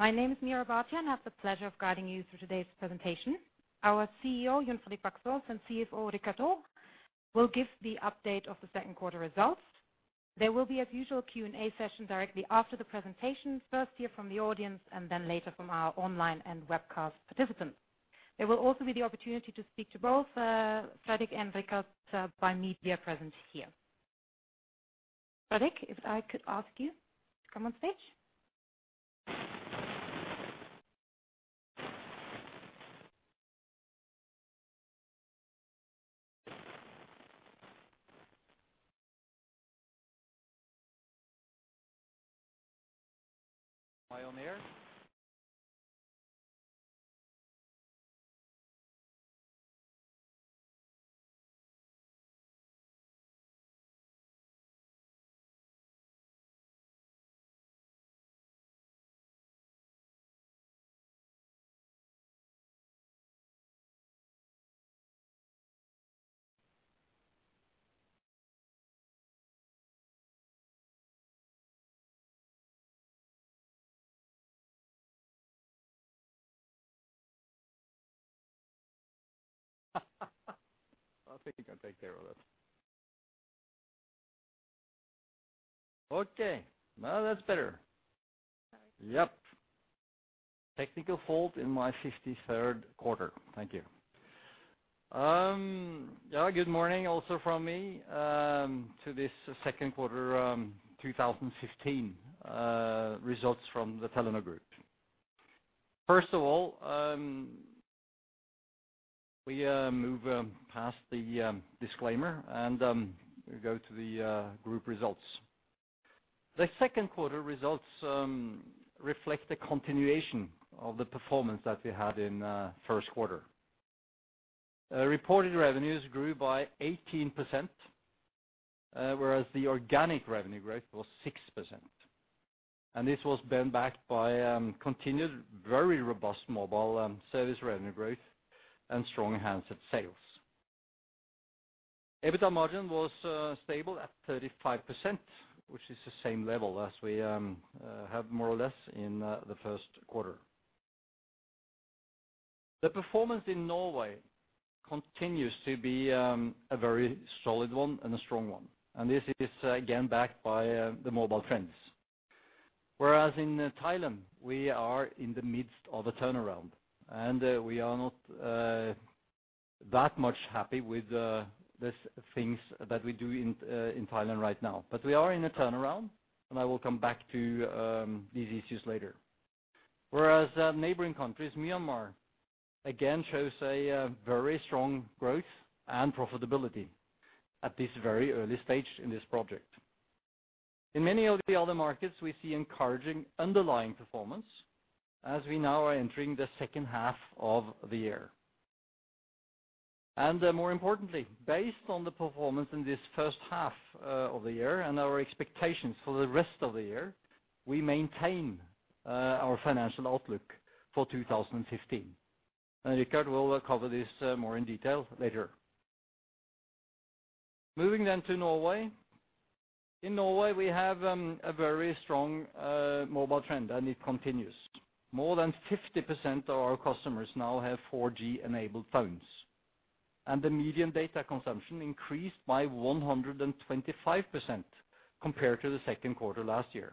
My name is Meera Bhatia, and I have the pleasure of guiding you through today's presentation. Our CEO, Jon Fredrik Baksaas, and CFO, Richard Olav Aa, will give the update of the second quarter results. There will be, as usual, Q&A session directly after the presentation, first hear from the audience, and then later from our online and webcast participants. There will also be the opportunity to speak to both, Fredrik and Richard by me. They are present here. Fredrik, if I could ask you to come on stage? I think I can take care of that. Okay, now that's better. Yep. Technical fault in my 53rd quarter. Thank you. Yeah, good morning also from me to this second quarter 2015 results from the Telenor Group. First of all, we move past the disclaimer, and we go to the group results. The second quarter results reflect the continuation of the performance that we had in first quarter. Reported revenues grew by 18%, whereas the organic revenue growth was 6%, and this was backed by continued very robust mobile service revenue growth and strong handset sales. EBITDA margin was stable at 35%, which is the same level as we have more or less in the first quarter. The performance in Norway continues to be a very solid one and a strong one, and this is again backed by the mobile trends. Whereas in Thailand, we are in the midst of a turnaround, and we are not that much happy with the things that we do in Thailand right now. But we are in a turnaround, and I will come back to these issues later. Whereas neighboring countries, Myanmar, again shows a very strong growth and profitability at this very early stage in this project. In many of the other markets, we see encouraging underlying performance as we now are entering the second half of the year. More importantly, based on the performance in this first half of the year and our expectations for the rest of the year, we maintain our financial outlook for 2015. Richard will cover this more in detail later. Moving to Norway. In Norway, we have a very strong mobile trend, and it continues. More than 50% of our customers now have 4G-enabled phones, and the median data consumption increased by 125% compared to the second quarter last year.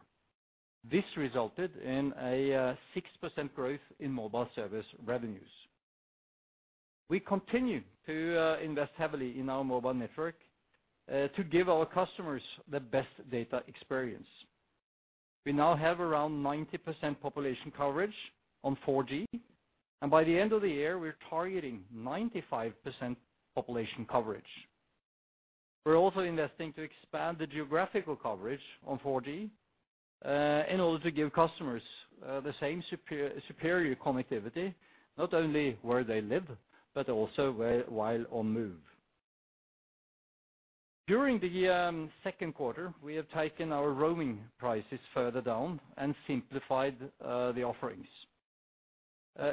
This resulted in a 6% growth in mobile service revenues. We continue to invest heavily in our mobile network to give our customers the best data experience. We now have around 90% population coverage on 4G, and by the end of the year, we're targeting 95% population coverage. We're also investing to expand the geographical coverage on 4G in order to give customers the same superior connectivity, not only where they live, but also where while on move. During the second quarter, we have taken our roaming prices further down and simplified the offerings.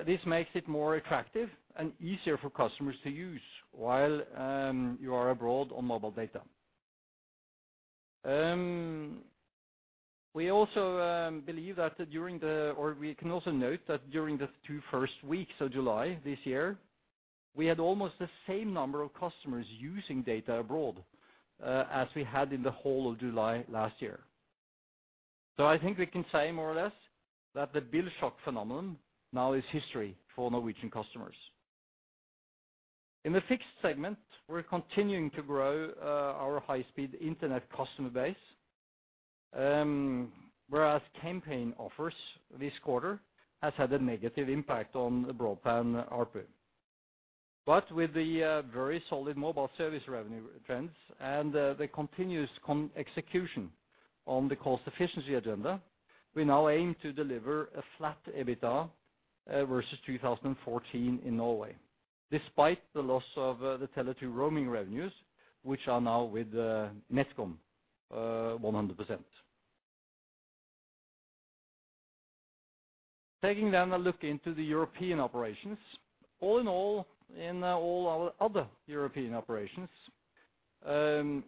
This makes it more attractive and easier for customers to use while you are abroad on mobile data. We also can note that during the two first weeks of July this year, we had almost the same number of customers using data abroad as we had in the whole of July last year. So I think we can say more or less that the bill shock phenomenon now is history for Norwegian customers. In the fixed segment, we're continuing to grow our high-speed internet customer base. Whereas campaign offers this quarter has had a negative impact on the broadband ARPU. But with the very solid mobile service revenue trends and the continuous execution on the cost efficiency agenda, we now aim to deliver a flat EBITDA versus 2014 in Norway, despite the loss of the Tele2 roaming revenues, which are now with NetCom 100%. Taking then a look into the European operations. All in all, in all our other European operations,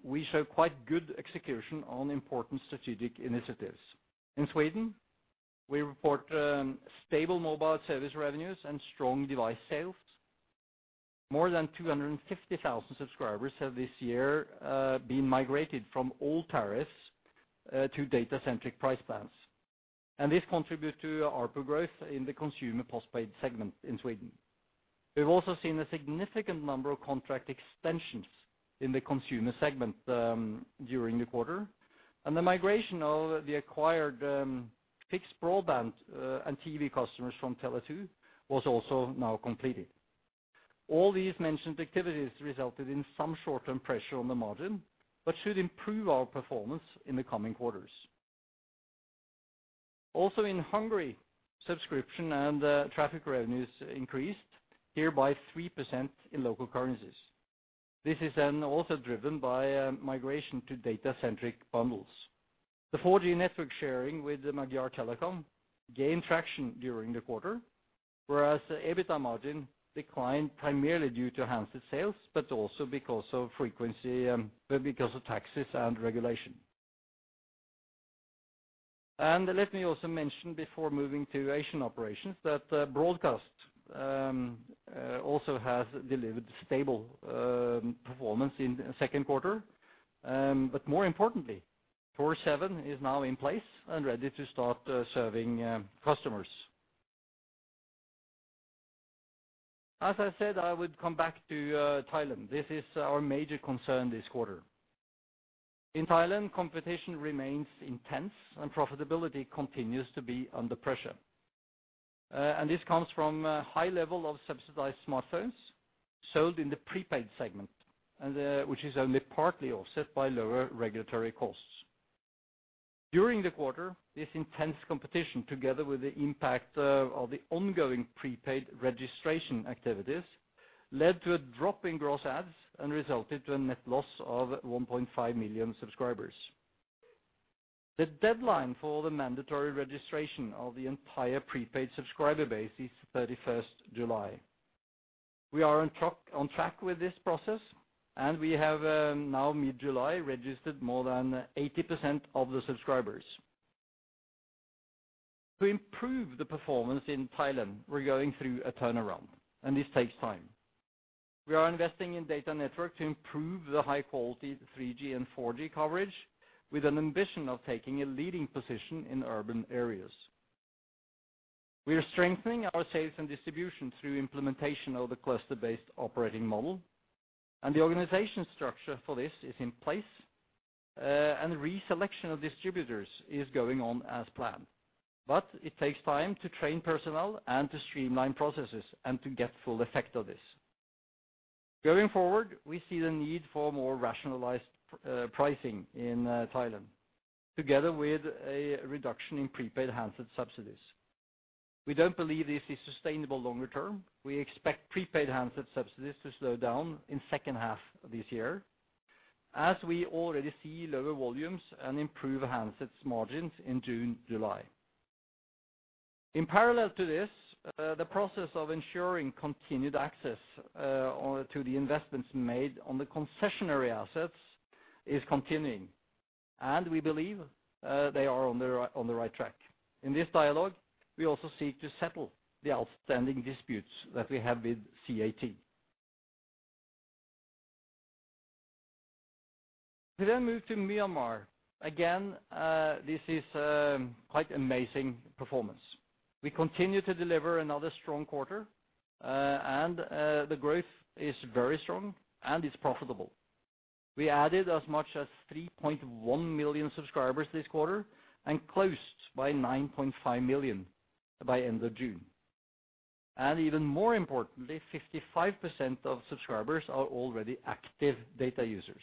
we show quite good execution on important strategic initiatives. In Sweden, we report stable mobile service revenues and strong device sales. More than 250,000 subscribers have this year been migrated from all tariffs to data-centric price plans. And this contributes to ARPU growth in the consumer postpaid segment in Sweden. We've also seen a significant number of contract extensions in the consumer segment during the quarter, and the migration of the acquired fixed broadband and TV customers from Tele2 was also now completed. All these mentioned activities resulted in some short-term pressure on the margin, but should improve our performance in the coming quarters. Also, in Hungary, subscription and traffic revenues increased by 3% in local currencies. This is then also driven by a migration to data-centric bundles. The 4G network sharing with the Magyar Telekom gained traction during the quarter, whereas the EBITDA margin declined primarily due to handset sales, but also because of frequency, but because of taxes and regulation. And let me also mention before moving to Asian operations, that broadcast also has delivered stable performance in the second quarter. But more importantly, Thor 7 is now in place and ready to start serving customers. As I said, I would come back to Thailand. This is our major concern this quarter. In Thailand, competition remains intense, and profitability continues to be under pressure. And this comes from a high level of subsidized smartphones sold in the prepaid segment, which is only partly offset by lower regulatory costs. During the quarter, this intense competition, together with the impact of the ongoing prepaid registration activities, led to a drop in gross adds and resulted in a net loss of 1.5 million subscribers. The deadline for the mandatory registration of the entire prepaid subscriber base is July 31st. We are on track with this process, and we have, now mid-July, registered more than 80% of the subscribers. To improve the performance in Thailand, we're going through a turnaround, and this takes time. We are investing in data network to improve the high-quality 3G and 4G coverage, with an ambition of taking a leading position in urban areas. We are strengthening our sales and distribution through implementation of the cluster-based operating model, and the organization structure for this is in place, and reselection of distributors is going on as planned. But it takes time to train personnel and to streamline processes and to get full effect of this. Going forward, we see the need for more rationalized, pricing in, Thailand, together with a reduction in prepaid handset subsidies. We don't believe this is sustainable longer term. We expect prepaid handset subsidies to slow down in second half of this year, as we already see lower volumes and improve handsets margins in June, July. In parallel to this, the process of ensuring continued access on to the investments made on the concessionary assets is continuing, and we believe they are on the right, on the right track. In this dialogue, we also seek to settle the outstanding disputes that we have with CAT. We then move to Myanmar. Again, this is quite amazing performance. We continue to deliver another strong quarter, and the growth is very strong, and it's profitable. We added as much as 3.1 million subscribers this quarter and closed by 9.5 million by end of June. And even more importantly, 55% of subscribers are already active data users.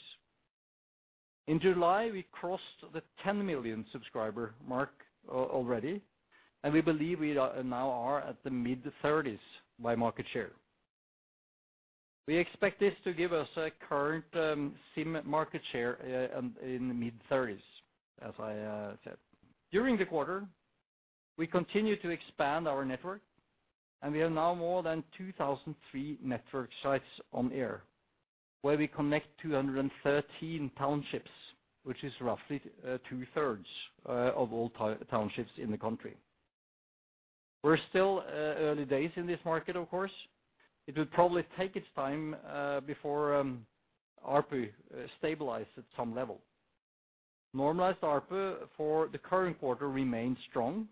In July, we crossed the 10 million subscriber mark already, and we believe we are now at the mid-30s% by market share. We expect this to give us a current SIM market share in the mid-30s, as I said. During the quarter, we continued to expand our network, and we have now more than 2,003 network sites on air, where we connect 213 townships, which is roughly two-thirds of all townships in the country. We're still early days in this market, of course. It will probably take its time before ARPU stabilize at some level. Normalized ARPU for the current quarter remains strong,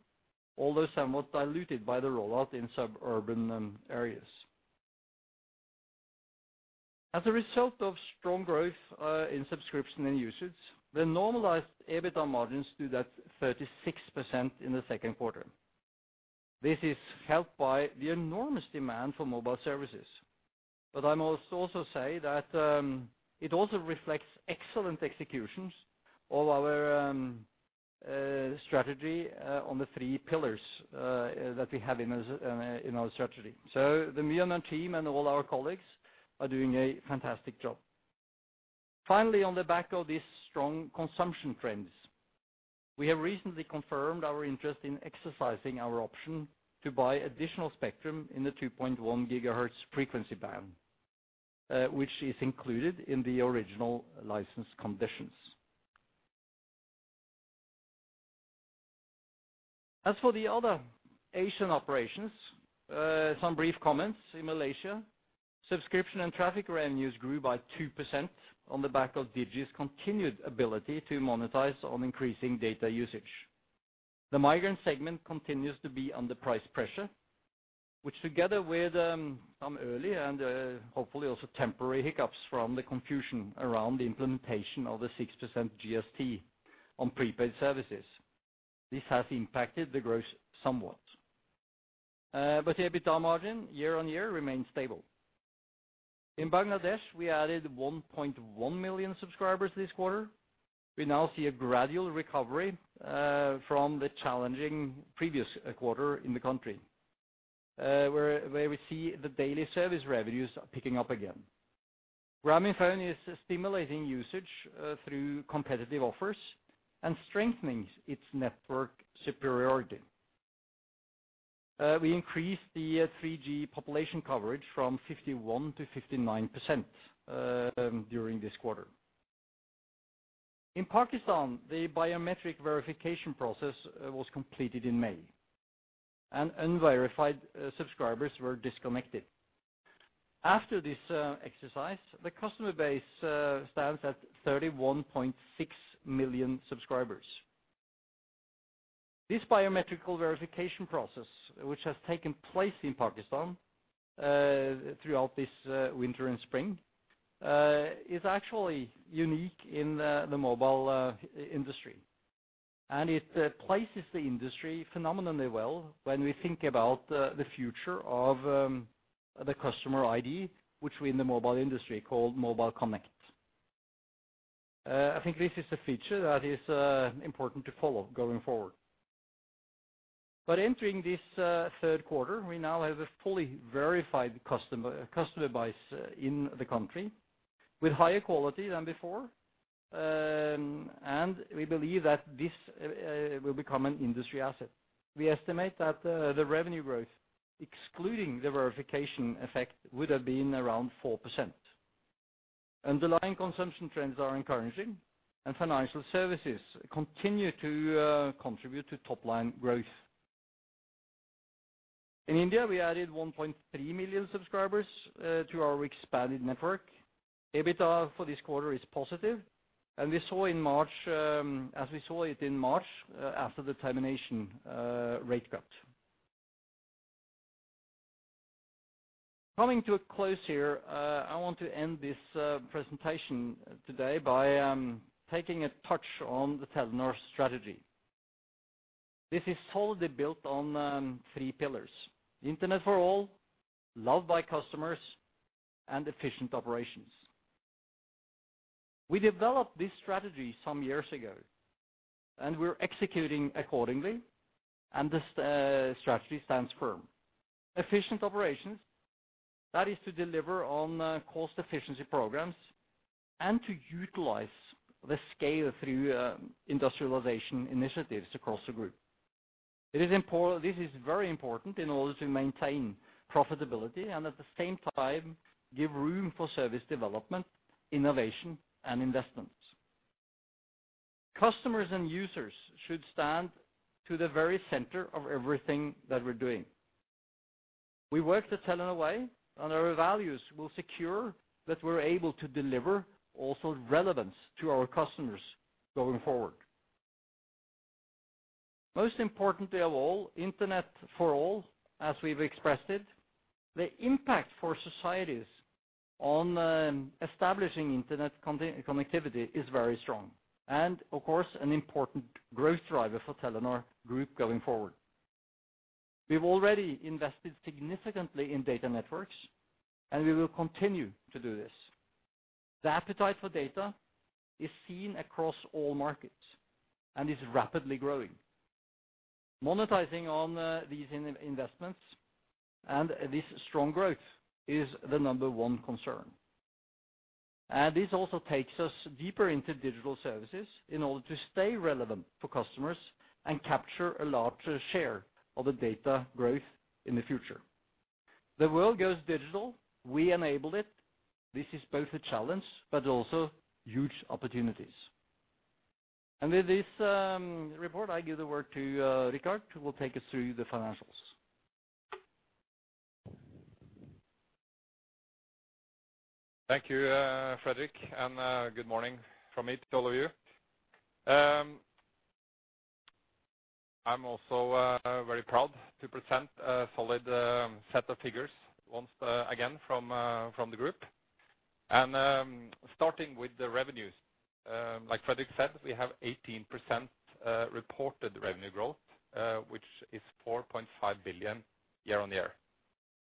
although somewhat diluted by the rollout in suburban areas. As a result of strong growth in subscription and usage, the normalized EBITDA margins stood at 36% in the second quarter. This is helped by the enormous demand for mobile services. But I must also say that it also reflects excellent executions of our strategy on the three pillars that we have in our strategy. So the Myanmar team and all our colleagues are doing a fantastic job.... Finally, on the back of these strong consumption trends, we have recently confirmed our interest in exercising our option to buy additional spectrum in the 2.1 gigahertz frequency band, which is included in the original license conditions. As for the other Asian operations, some brief comments. In Malaysia, subscription and traffic revenues grew by 2% on the back of Digi's continued ability to monetize on increasing data usage. The migrant segment continues to be under price pressure, which together with some early and hopefully also temporary hiccups from the confusion around the implementation of the 6% GST on prepaid services, this has impacted the growth somewhat. But the EBITDA margin, year-on-year, remains stable. In Bangladesh, we added 1.1 million subscribers this quarter. We now see a gradual recovery from the challenging previous quarter in the country, where we see the daily service revenues are picking up again. Grameenphone is stimulating usage through competitive offers and strengthening its network superiority. We increased the 3G population coverage from 51%-59% during this quarter. In Pakistan, the biometric verification process was completed in May, and unverified subscribers were disconnected. After this exercise, the customer base stands at 31.6 million subscribers. This biometric verification process, which has taken place in Pakistan, throughout this winter and spring, is actually unique in the mobile industry. And it places the industry phenomenally well when we think about the future of the customer ID, which we in the mobile industry call Mobile Connect. I think this is a feature that is important to follow going forward. But entering this third quarter, we now have a fully verified customer base in the country with higher quality than before, and we believe that this will become an industry asset. We estimate that the revenue growth, excluding the verification effect, would have been around 4%. Underlying consumption trends are encouraging, and financial services continue to contribute to top-line growth. In India, we added 1.3 million subscribers to our expanded network. EBITDA for this quarter is positive, and we saw in March, as we saw it in March, after the termination rate cut. Coming to a close here, I want to end this presentation today by taking a touch on the Telenor strategy. This is solidly built on three pillars: Internet for All, Loved by Customers, and Efficient Operations. We developed this strategy some years ago, and we're executing accordingly, and the strategy stands firm. Efficient Operations, that is to deliver on cost efficiency programs and to utilize the scale through industrialization initiatives across the group. This is very important in order to maintain profitability and, at the same time, give room for service development, innovation, and investments. Customers and users should stand to the very center of everything that we're doing. We work the Telenor Way, and our values will secure that we're able to deliver also relevance to our customers going forward. Most importantly of all, Internet for All, as we've expressed it, the impact for societies on establishing internet connectivity is very strong, and of course, an important growth driver for Telenor Group going forward. We've already invested significantly in data networks, and we will continue to do this. The appetite for data is seen across all markets and is rapidly growing. Monetizing on these investments and this strong growth is the number one concern. This also takes us deeper into digital services in order to stay relevant for customers and capture a larger share of the data growth in the future. The world goes digital. We enable it. This is both a challenge, but also huge opportunities. With this report, I give the word to Richard Olav Aa, who will take us through the financials. Thank you, Fredrik, and good morning from me to all of you. I'm also very proud to present a solid set of figures once again from the group. Starting with the revenues, like Fredrik said, we have 18% reported revenue growth, which is 4.5 billion year-on-year.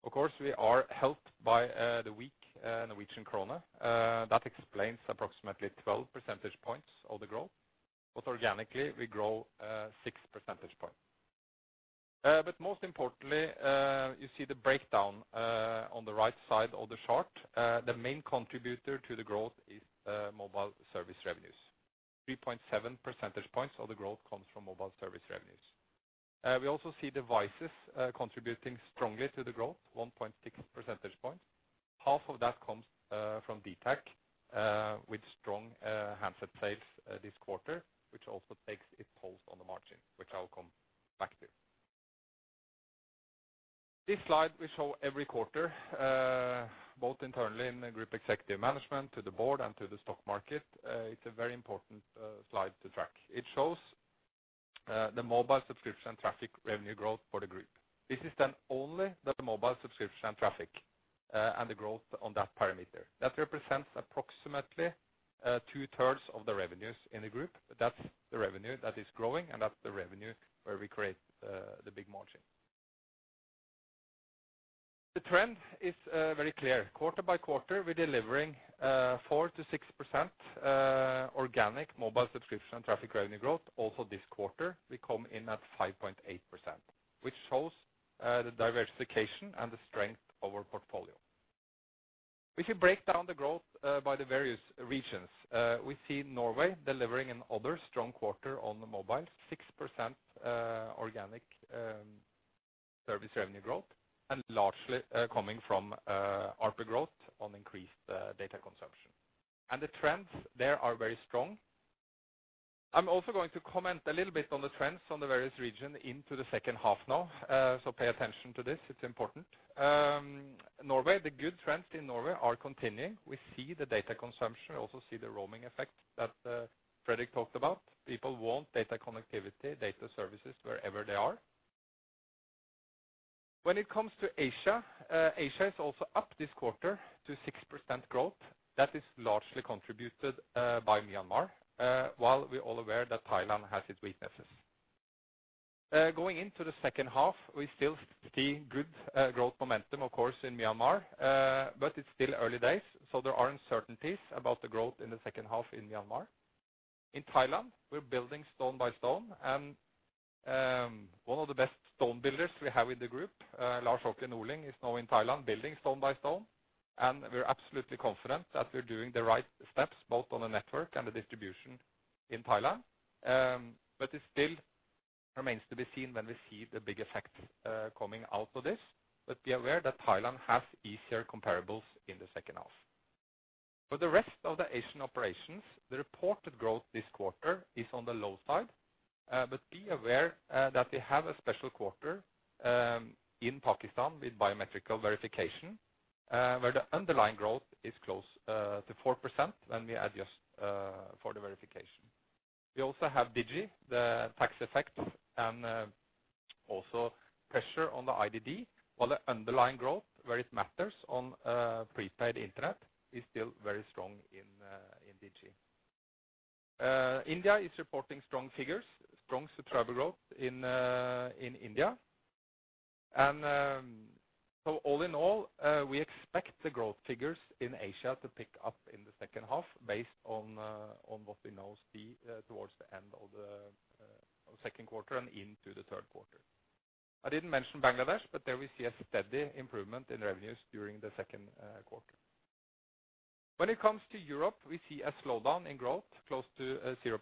Of course, we are helped by the weak Norwegian kroner. That explains approximately 12 percentage points of the growth, but organically, we grow 6 percentage points. But most importantly, you see the breakdown on the right side of the chart. The main contributor to the growth is mobile service revenues. 3.7 percentage points of the growth comes from mobile service revenues. We also see devices contributing strongly to the growth, 1.6 percentage points. Half of that comes from dtac, with strong handset sales this quarter, which also takes its toll on the margin, which I'll come back to. This slide we show every quarter, both internally in the Group executive management, to the board, and to the stock market. It's a very important slide to track. It shows the mobile subscription traffic revenue growth for the group. This is then only the mobile subscription traffic and the growth on that parameter. That represents approximately two-thirds of the revenues in the group. That's the revenue that is growing, and that's the revenue where we create the big margin. The trend is very clear. Quarter by quarter, we're delivering 4%-6% organic mobile subscription traffic revenue growth. Also, this quarter, we come in at 5.8%, which shows the diversification and the strength of our portfolio. If you break down the growth by the various regions, we see Norway delivering another strong quarter on the mobile, 6% organic service revenue growth, and largely coming from ARPU growth on increased data consumption. The trends there are very strong. I'm also going to comment a little bit on the trends in the various regions into the second half now, so pay attention to this. It's important. Norway, the good trends in Norway are continuing. We see the data consumption, also see the roaming effect that Fredrik talked about. People want data connectivity, data services wherever they are. When it comes to Asia, Asia is also up this quarter to 6% growth. That is largely contributed by Myanmar, while we're all aware that Thailand has its weaknesses. Going into the second half, we still see good growth momentum, of course, in Myanmar, but it's still early days, so there are uncertainties about the growth in the second half in Myanmar. In Thailand, we're building stone by stone, and one of the best stone builders we have in the group, Lars-Åke Norling, is now in Thailand, building stone by stone. And we're absolutely confident that we're doing the right steps, both on the network and the distribution in Thailand. But it still remains to be seen when we see the big effect coming out of this. But be aware that Thailand has easier comparables in the second half. For the rest of the Asian operations, the reported growth this quarter is on the low side, but be aware that they have a special quarter in Pakistan with biometric verification where the underlying growth is close to 4%, and we adjust for the verification. We also have Digi, the tax effect, and also pressure on the IDD, while the underlying growth, where it matters on prepaid internet, is still very strong in Digi. India is reporting strong figures, strong subscriber growth in India. So all in all, we expect the growth figures in Asia to pick up in the second half, based on what we now see towards the end of the second quarter and into the third quarter. I didn't mention Bangladesh, but there we see a steady improvement in revenues during the second quarter. When it comes to Europe, we see a slowdown in growth, close to 0%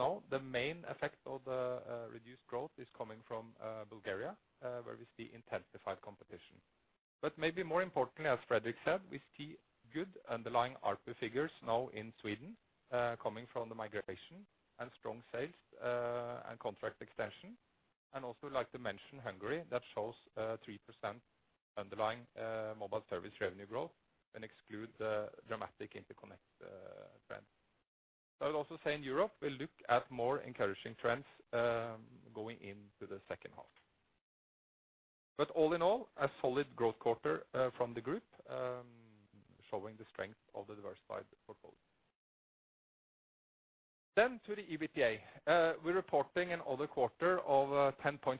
now. The main effect of the reduced growth is coming from Bulgaria, where we see intensified competition. But maybe more importantly, as Fredrik said, we see good underlying ARPU figures now in Sweden, coming from the migration and strong sales and contract extension. And also like to mention Hungary, that shows 3% underlying mobile service revenue growth and excludes the dramatic interconnect trend. I would also say in Europe, we'll look at more encouraging trends, going into the second half. But all in all, a solid growth quarter, from the group, showing the strength of the diversified portfolio. Then to the EBITDA. We're reporting another quarter of 10.6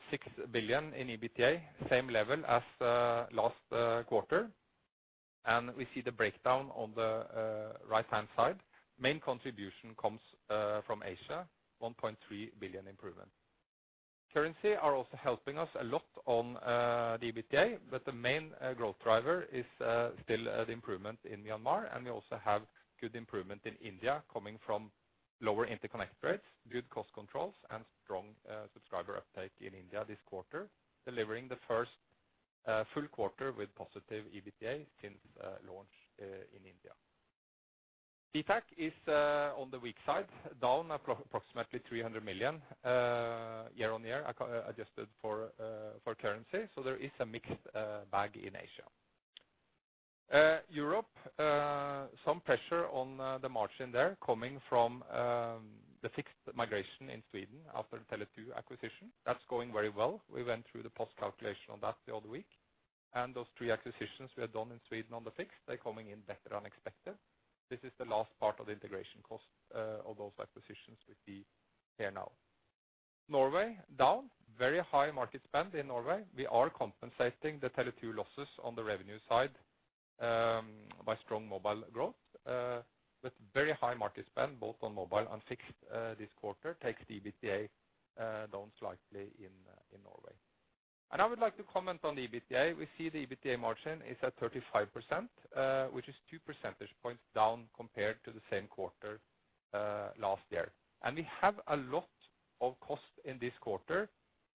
billion in EBITDA, same level as last quarter, and we see the breakdown on the right-hand side. Main contribution comes from Asia, 1.3 billion improvement. Currency are also helping us a lot on the EBITDA, but the main growth driver is still the improvement in Myanmar, and we also have good improvement in India, coming from lower interconnect rates, good cost controls, and strong subscriber uptake in India this quarter, delivering the first full quarter with positive EBITDA since launch in India. dtac is on the weak side, down approximately 300 million year on year, adjusted for currency, so there is a mixed bag in Asia. Europe, some pressure on the margin there coming from the fixed migration in Sweden after the Tele2 acquisition. That's going very well. We went through the post calculation on that the other week, and those three acquisitions we had done in Sweden on the fixed, they're coming in better than expected. This is the last part of the integration cost of those acquisitions we see here now. Norway, down. Very high market spend in Norway. We are compensating the Tele2 losses on the revenue side by strong mobile growth, but very high market spend both on mobile and fixed, this quarter takes the EBITDA down slightly in Norway. I would like to comment on the EBITDA. We see the EBITDA margin is at 35%, which is two percentage points down compared to the same quarter last year. We have a lot of costs in this quarter,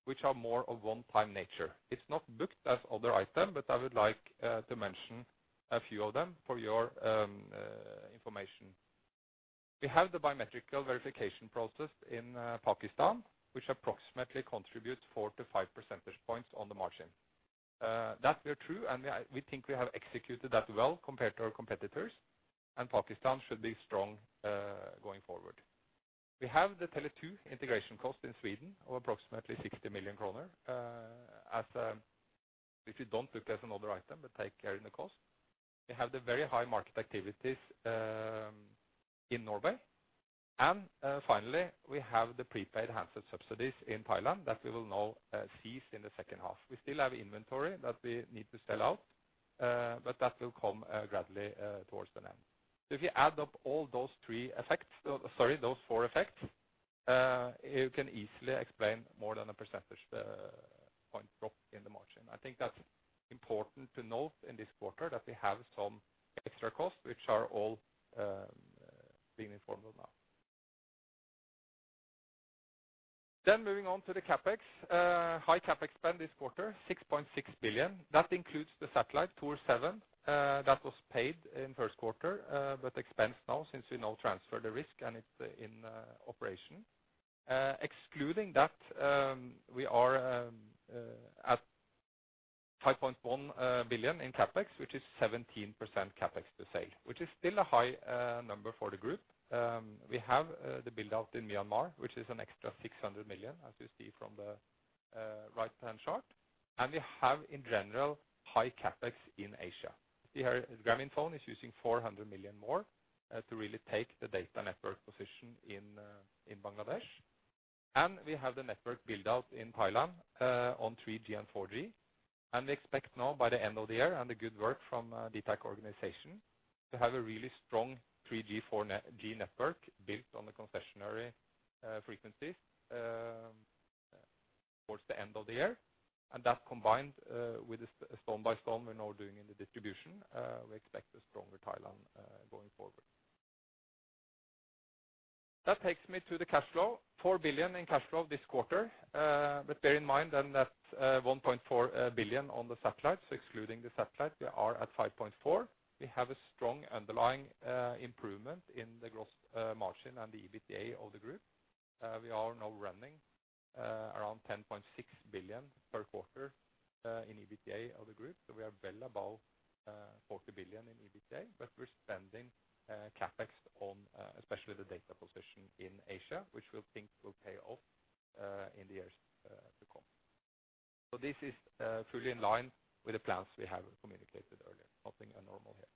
which are more of one-time nature. It's not booked as other item, but I would like to mention a few of them for your information. We have the biometric verification process in Pakistan, which approximately contributes 4-5 percentage points on the margin. That we're through, and we think we have executed that well compared to our competitors, and Pakistan should be strong going forward. We have the Tele2 integration cost in Sweden of approximately 60 million kroner, which we don't book as another item, but take it in the cost. We have the very high market activities in Norway. And finally, we have the prepaid handset subsidies in Thailand that we will now cease in the second half. We still have inventory that we need to sell out, but that will come gradually towards the end. So if you add up all those three effects, sorry, those four effects, you can easily explain more than a percentage point drop in the margin. I think that's important to note in this quarter that we have some extra costs, which are all being informed of now. Then moving on to the CapEx. High CapEx spend this quarter, 6.6 billion. That includes the satellite, Thor 7, that was paid in first quarter, but expensed now since we now transfer the risk and it's in operation. Excluding that, we are at 5.1 billion in CapEx, which is 17% CapEx to sale, which is still a high number for the group. We have the build-out in Myanmar, which is an extra 600 million, as you see from the right-hand chart. And we have, in general, high CapEx in Asia. We are—Grameenphone is using 400 million more to really take the data network position in Bangladesh. And we have the network build-out in Thailand on 3G and 4G, and we expect now by the end of the year, and the good work from dtac organization, to have a really strong 3G, 4G network built on the concessionary frequencies towards the end of the year. That combined with the step by step we're now doing in the distribution, we expect a stronger Thailand going forward. That takes me to the cash flow. 4 billion in cash flow this quarter, but bear in mind then that 1.4 billion on the satellite. So excluding the satellite, we are at 5.4 billion. We have a strong underlying improvement in the gross margin and the EBITDA of the group. We are now running around 10.6 billion per quarter in EBITDA of the group. So we are well above 40 billion in EBITDA, but we're spending CapEx on especially the data position in Asia, which we think will pay off in the years to come. So this is fully in line with the plans we have communicated earlier. Nothing abnormal here.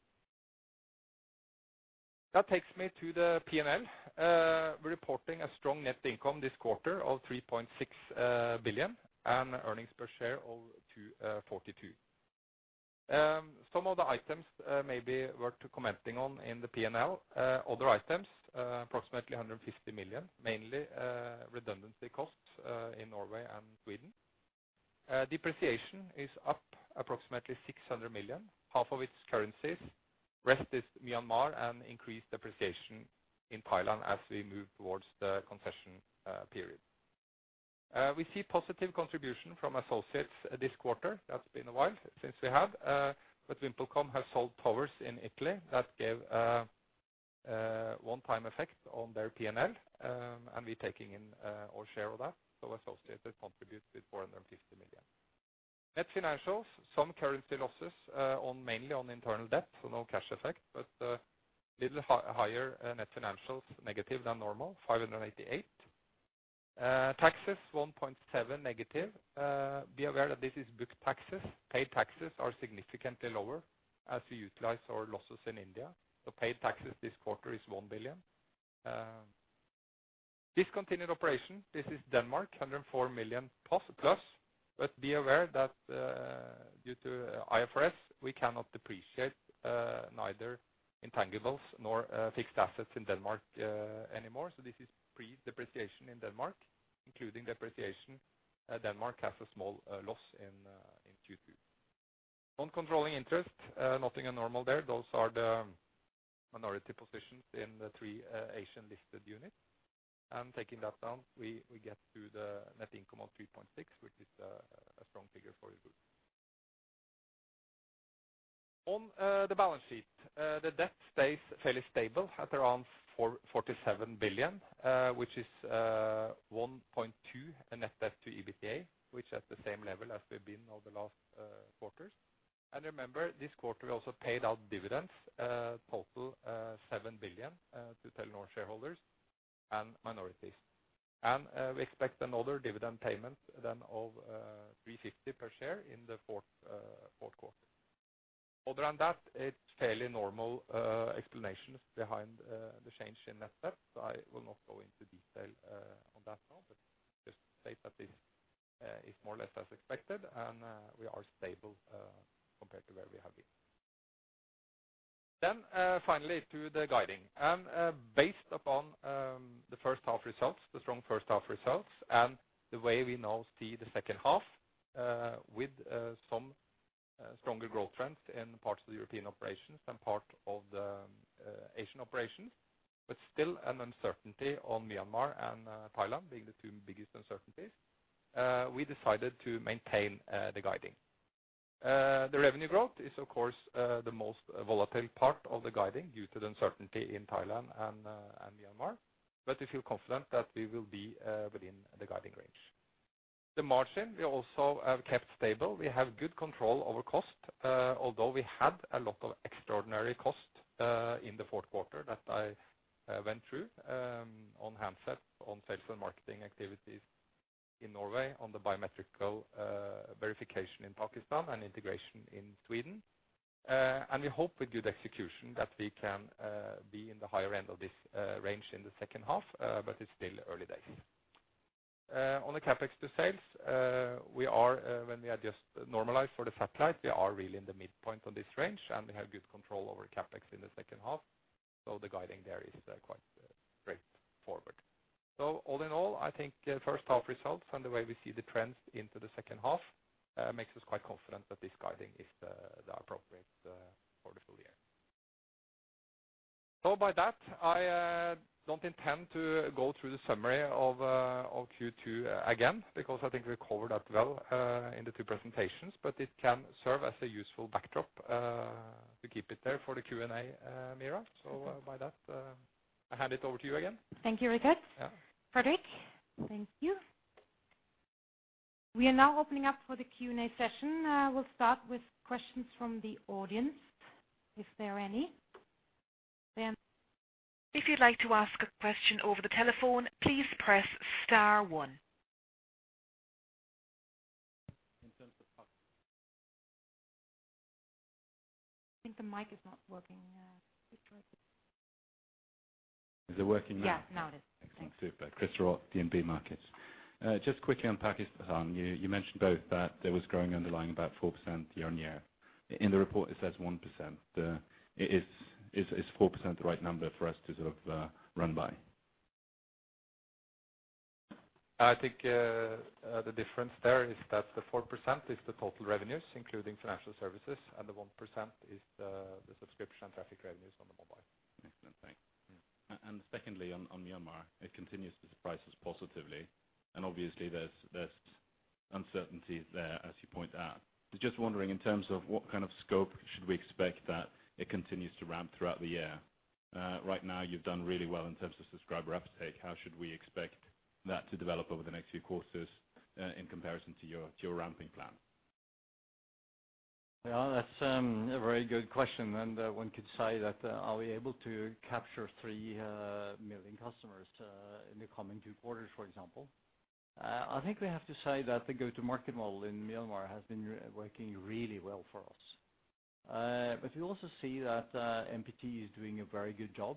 That takes me to the P&L. We're reporting a strong net income this quarter of 3.6 billion and earnings per share of 2.42. Some of the items maybe worth commenting on in the P&L, other items approximately 150 million, mainly redundancy costs in Norway and Sweden. Depreciation is up approximately 600 million, half of it's currencies, rest is Myanmar and increased depreciation in Thailand as we move towards the concession period. We see positive contribution from associates this quarter. That's been a while since we have, but VimpelCom has sold towers in Italy that gave a one-time effect on their P&L, and we're taking in our share of that. Associates contributed 450 million. Net financials, some currency losses, mainly on internal debt, so no cash effect, but a little higher net financials negative than normal, 588 million. Taxes, 1.7 negative. Be aware that this is booked taxes. Paid taxes are significantly lower as we utilize our losses in India. The paid taxes this quarter is 1 billion. Discontinued operation, this is Denmark, 104+ million. But be aware that due to IFRS, we cannot depreciate neither intangibles nor fixed assets in Denmark anymore. So this is pre-depreciation in Denmark, including depreciation, Denmark has a small loss in Q2. On controlling interest, nothing abnormal there. Those are the minority positions in the three Asian-listed units. Taking that down, we get to the net income of 3.6 billion, which is a strong figure for the group. On the balance sheet, the debt stays fairly stable at around 447 billion, which is 1.2 in net debt to EBITDA, which at the same level as we've been over the last quarters. We expect another dividend payment then of 3.50 per share in the fourth quarter. Other than that, it's fairly normal explanations behind the change in net debt, so I will not go into detail on that now, but just state that the... is more or less as expected, and we are stable compared to where we have been. Finally, to the guiding. Based upon the first half results, the strong first half results, and the way we now see the second half, with some stronger growth trends in parts of the European operations and part of the Asian operations, but still an uncertainty on Myanmar and Thailand being the two biggest uncertainties, we decided to maintain the guiding. The revenue growth is, of course, the most volatile part of the guiding due to the uncertainty in Thailand and Myanmar, but we feel confident that we will be within the guiding range. The margin we also have kept stable. We have good control over cost, although we had a lot of extraordinary costs in the fourth quarter that I went through, on handsets, on sales and marketing activities in Norway, on the biometric verification in Pakistan, and integration in Sweden. We hope with good execution that we can be in the higher end of this range in the second half, but it's still early days. On the CapEx to sales, we are, when we adjust, normalize for the satellite, we are really in the midpoint on this range, and we have good control over CapEx in the second half, so the guiding there is quite straightforward. So all in all, I think the first half results and the way we see the trends into the second half makes us quite confident that this guiding is the appropriate for the full year. So by that, I don't intend to go through the summary of Q2 again, because I think we covered that well in the two presentations, but it can serve as a useful backdrop. We keep it there for the Q&A, Meera. So by that, I hand it over to you again. Thank you, Richard. Yeah. Fredrik, thank you. We are now opening up for the Q&A session. We'll start with questions from the audience, if there are any. Then- If you'd like to ask a question over the telephone, please press star one. In terms of Pakistan. I think the mic is not working quite good. Is it working now? Yeah, now it is. Excellent. Super. Chris Roth, DNB Markets. Just quickly on Pakistan, you mentioned both that there was growing underlying about 4% year-on-year. In the report, it says 1%. Is 4% the right number for us to sort of run by? I think, the difference there is that the 4% is the total revenues, including financial services, and the 1% is the subscription and traffic revenues on the mobile. Excellent. Thanks. And secondly, on Myanmar, it continues to surprise us positively, and obviously there's uncertainty there, as you point out. Just wondering, in terms of what kind of scope should we expect that it continues to ramp throughout the year? Right now you've done really well in terms of subscriber uptake. How should we expect that to develop over the next few quarters, in comparison to your ramping plan? Well, that's a very good question, and one could say that are we able to capture three million customers in the coming two quarters, for example? I think we have to say that the go-to-market model in Myanmar has been working really well for us. But we also see that MPT is doing a very good job.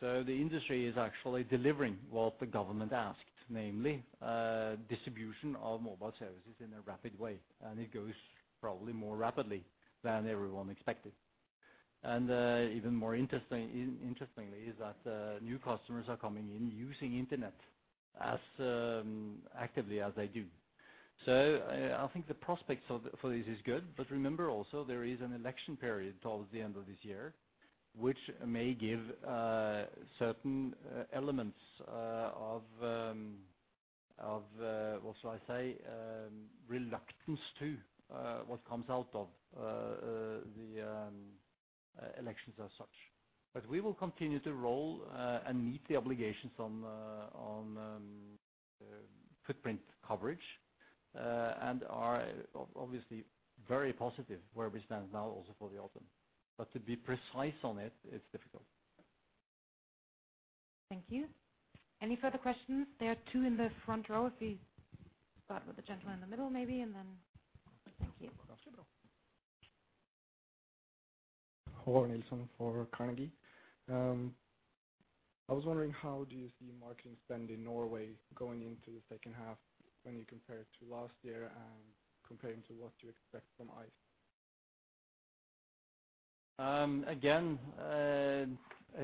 So the industry is actually delivering what the government asked, namely distribution of mobile services in a rapid way, and it goes probably more rapidly than everyone expected. And even more interestingly, is that new customers are coming in using internet as actively as they do. So, I think the prospects of for this is good, but remember also there is an election period towards the end of this year, which may give certain elements of of what shall I say? reluctance to what comes out of the elections as such. But we will continue to roll and meet the obligations on footprint coverage, and are obviously very positive where we stand now also for the autumn. But to be precise on it, it's difficult. Thank you. Any further questions? There are two in the front row, if we start with the gentleman in the middle, maybe, and then... Thank you. Håvard Nilsson for Carnegie. I was wondering how do you see marketing spend in Norway going into the second half when you compare it to last year and comparing to what you expect from Ice? Again,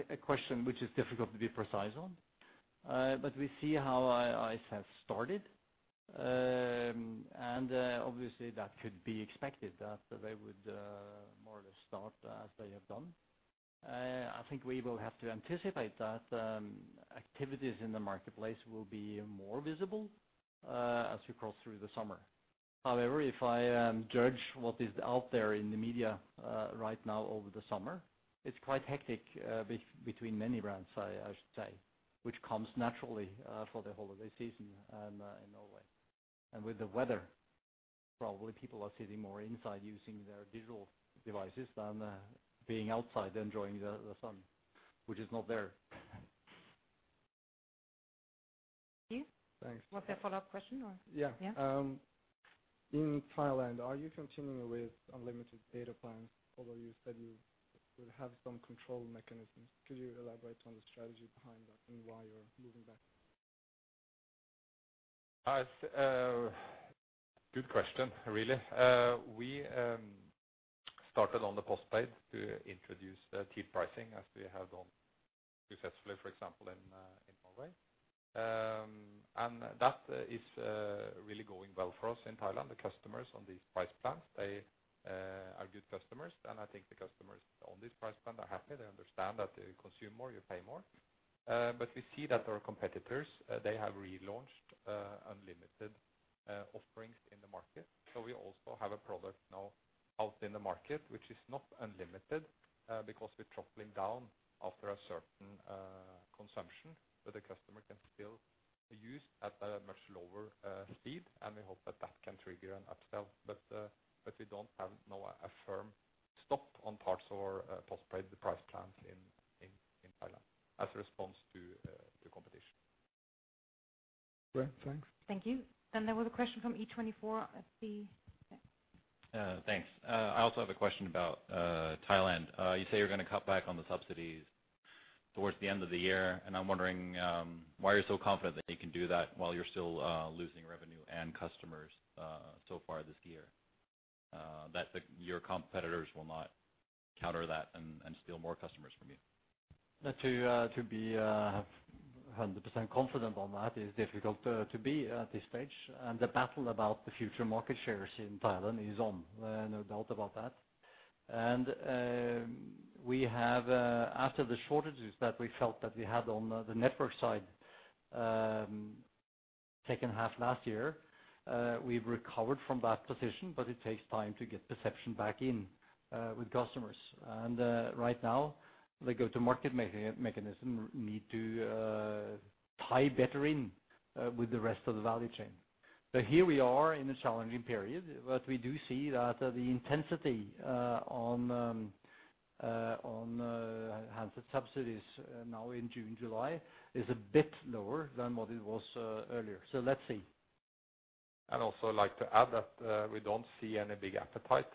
a question which is difficult to be precise on, but we see how Ice has started, and obviously, that could be expected that they would more or less start as they have done. I think we will have to anticipate that activities in the marketplace will be more visible as we cross through the summer. However, if I judge what is out there in the media right now over the summer, it's quite hectic between many brands, I should say, which comes naturally for the holiday season in Norway. And with the weather, probably people are sitting more inside using their digital devices than being outside enjoying the sun, which is not there. Thank you. Thanks. Was there a follow-up question or? Yeah. Yeah.... in Thailand, are you continuing with unlimited data plans, although you said you would have some control mechanisms? Could you elaborate on the strategy behind that and why you're moving back? Good question, really. We started on the postpaid to introduce the cheap pricing as we have done successfully, for example, in Norway. That is really going well for us in Thailand. The customers on these price plans, they are good customers, and I think the customers on this price plan are happy. They understand that you consume more, you pay more. But we see that our competitors, they have relaunched unlimited offerings in the market. So we also have a product now out in the market, which is not unlimited, because we're throttling down after a certain consumption, but the customer can still use at a much lower speed, and we hope that that can trigger an upsell. But we don't have no firm stop on parts of our postpaid price plans in Thailand as a response to the competition. Great. Thanks. Thank you. There was a question from E24 at the- Thanks. I also have a question about Thailand. You say you're gonna cut back on the subsidies towards the end of the year, and I'm wondering why you're so confident that you can do that while you're still losing revenue and customers so far this year that your competitors will not counter that and steal more customers from you? To be 100% confident on that is difficult to be at this stage, and the battle about the future market shares in Thailand is on, no doubt about that. And we have, after the shortages that we felt that we had on the network side, second half last year, we've recovered from that position, but it takes time to get perception back in with customers. And right now, the go-to-market mechanism needs to tie better in with the rest of the value chain. But here we are in a challenging period, but we do see that the intensity on handset subsidies now in June, July, is a bit lower than what it was earlier. So let's see. I'd also like to add that, we don't see any big appetite,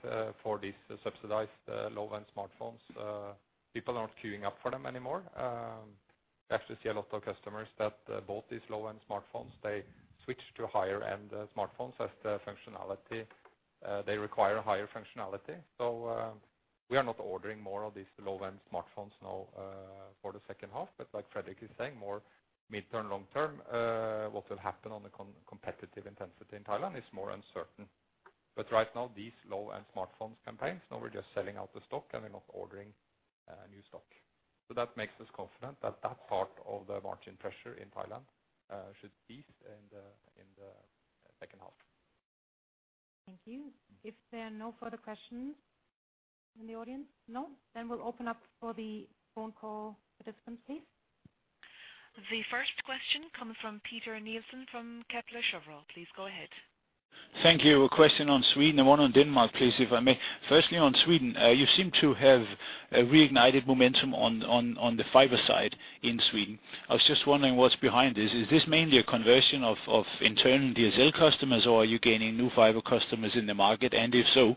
for these subsidized, low-end smartphones. People are not queuing up for them anymore. We actually see a lot of customers that bought these low-end smartphones, they switch to higher-end, smartphones as the functionality, they require a higher functionality. So, we are not ordering more of these low-end smartphones now, for the second half. But like Fredrik is saying, more mid-term, long-term, what will happen on the competitive intensity in Thailand is more uncertain. But right now, these low-end smartphones campaigns, now we're just selling out the stock, and we're not ordering, new stock. So that makes us confident that that part of the margin pressure in Thailand, should ease in the, in the second half. Thank you. If there are no further questions in the audience... No? Then we'll open up for the phone call participants, please. The first question comes from Peter Nielsen from Kepler Cheuvreux. Please go ahead. Thank you. A question on Sweden and one on Denmark, please, if I may. Firstly, on Sweden, you seem to have reignited momentum on the fiber side in Sweden. I was just wondering what's behind this. Is this mainly a conversion of internal DSL customers, or are you gaining new fiber customers in the market? And if so,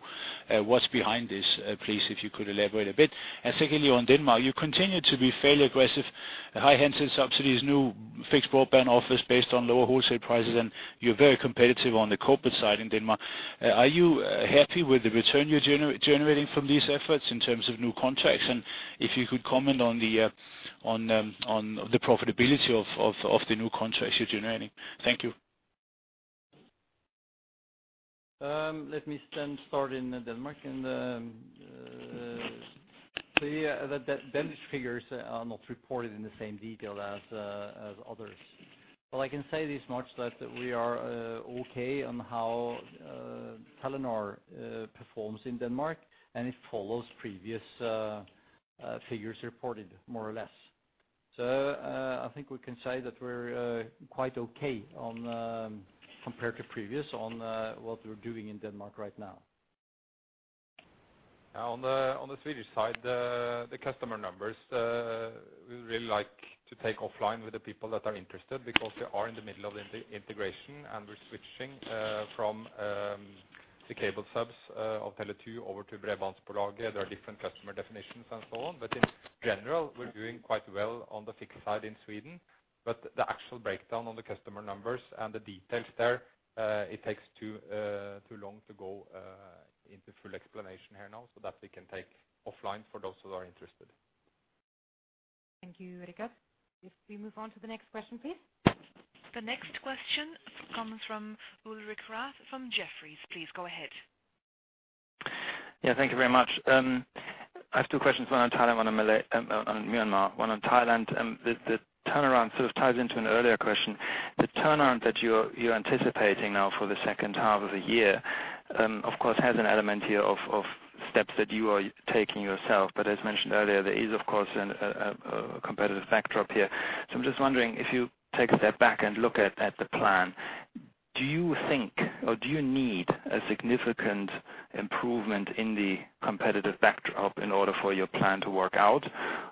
what's behind this? Please, if you could elaborate a bit. Secondly, on Denmark, you continue to be fairly aggressive, high handset subsidies, new fixed broadband offers based on lower wholesale prices, and you're very competitive on the corporate side in Denmark. Are you happy with the return you're generating from these efforts in terms of new contracts? And if you could comment on the profitability of the new contracts you're generating. Thank you. Let me then start in Denmark, and the Danish figures are not reported in the same detail as others. But I can say this much, that we are okay on how Telenor performs in Denmark, and it follows previous figures reported, more or less. So, I think we can say that we're quite okay on compared to previous on what we're doing in Denmark right now. On the Swedish side, the customer numbers, we really like to take offline with the people that are interested because we are in the middle of integration, and we're switching from the cable subs of Tele2 over to Bredbandsbolaget. There are different customer definitions and so on. But in general, we're doing quite well on the fixed side in Sweden, but the actual breakdown on the customer numbers and the details there, it takes too long to go into full explanation here now. So that we can take offline for those who are interested. Thank you, Richard. If we move on to the next question, please. The next question comes from Ulrich Rathe from Jefferies. Please go ahead. Yeah, thank you very much. I have two questions, one on Thailand, one on Myanmar. One on Thailand, the turnaround sort of ties into an earlier question. The turnaround that you're anticipating now for the second half of the year, of course, has an element here of steps that you are taking yourself. But as mentioned earlier, there is, of course, a competitive backdrop here. So I'm just wondering, if you take a step back and look at the plan, do you think or do you need a significant improvement in the competitive backdrop in order for your plan to work out?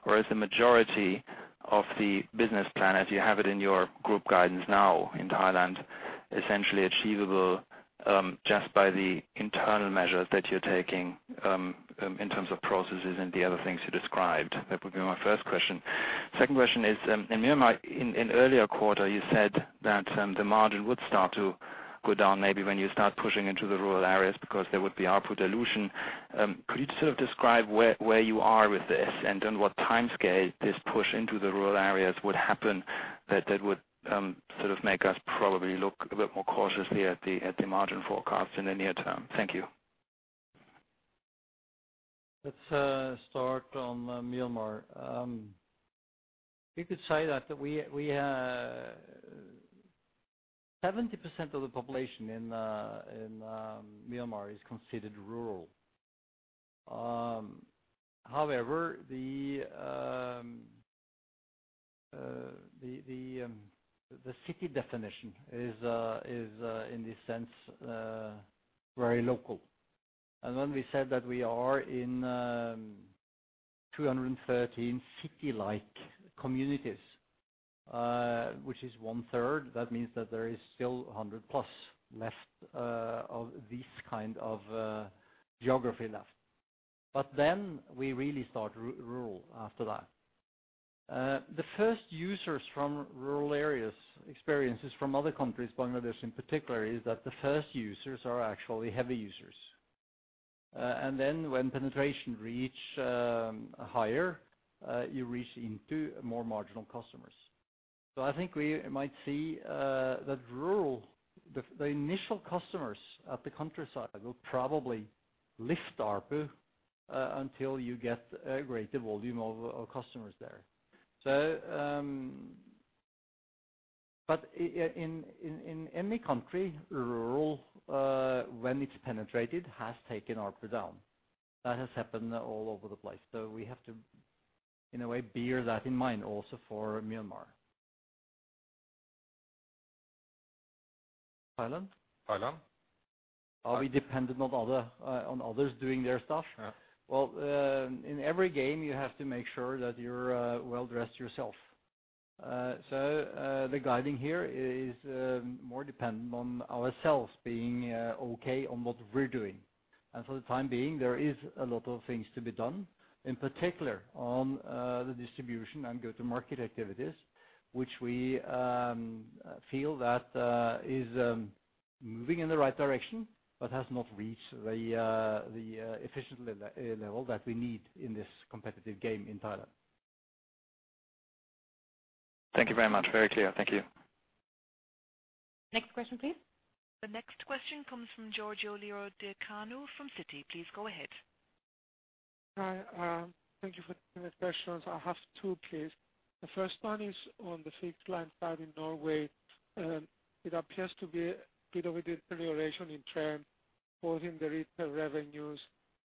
Or is the majority of the business plan, as you have it in your group guidance now in Thailand, essentially achievable?... Just by the internal measures that you're taking, in terms of processes and the other things you described? That would be my first question. Second question is, in Myanmar, in earlier quarter, you said that, the margin would start to go down maybe when you start pushing into the rural areas, because there would be ARPU dilution. Could you sort of describe where you are with this, and on what time scale this push into the rural areas would happen, that would sort of make us probably look a bit more cautiously at the margin forecast in the near term? Thank you. Let's start on Myanmar. We could say that we... 70% of the population in Myanmar is considered rural. However, the city definition is, in this sense, very local. And when we said that we are in 213 city-like communities, which is one third, that means that there is still 100+ left, of this kind of geography left. But then we really start rural after that. The first users from rural areas, experiences from other countries, Bangladesh in particular, is that the first users are actually heavy users. And then when penetration reach higher, you reach into more marginal customers. So I think we might see that rural, the initial customers at the countryside will probably lift ARPU until you get a greater volume of customers there. So, but in any country, rural when it's penetrated has taken ARPU down. That has happened all over the place, so we have to, in a way, bear that in mind also for Myanmar. Thailand? Thailand. Are we dependent on others doing their stuff? Yeah. Well, in every game, you have to make sure that you're well-dressed yourself. So, the guiding here is more dependent on ourselves being okay on what we're doing. And for the time being, there is a lot of things to be done, in particular on the distribution and go-to-market activities, which we feel that is moving in the right direction, but has not reached the efficient level that we need in this competitive game in Thailand. Thank you very much. Very clear. Thank you. Next question, please. The next question comes from Georgios Ierodiaconou from Citi. Please go ahead. Hi, thank you for the questions. I have two, please. The first one is on the fixed line side in Norway. It appears to be a bit of a deterioration in trend, both in the retail revenues,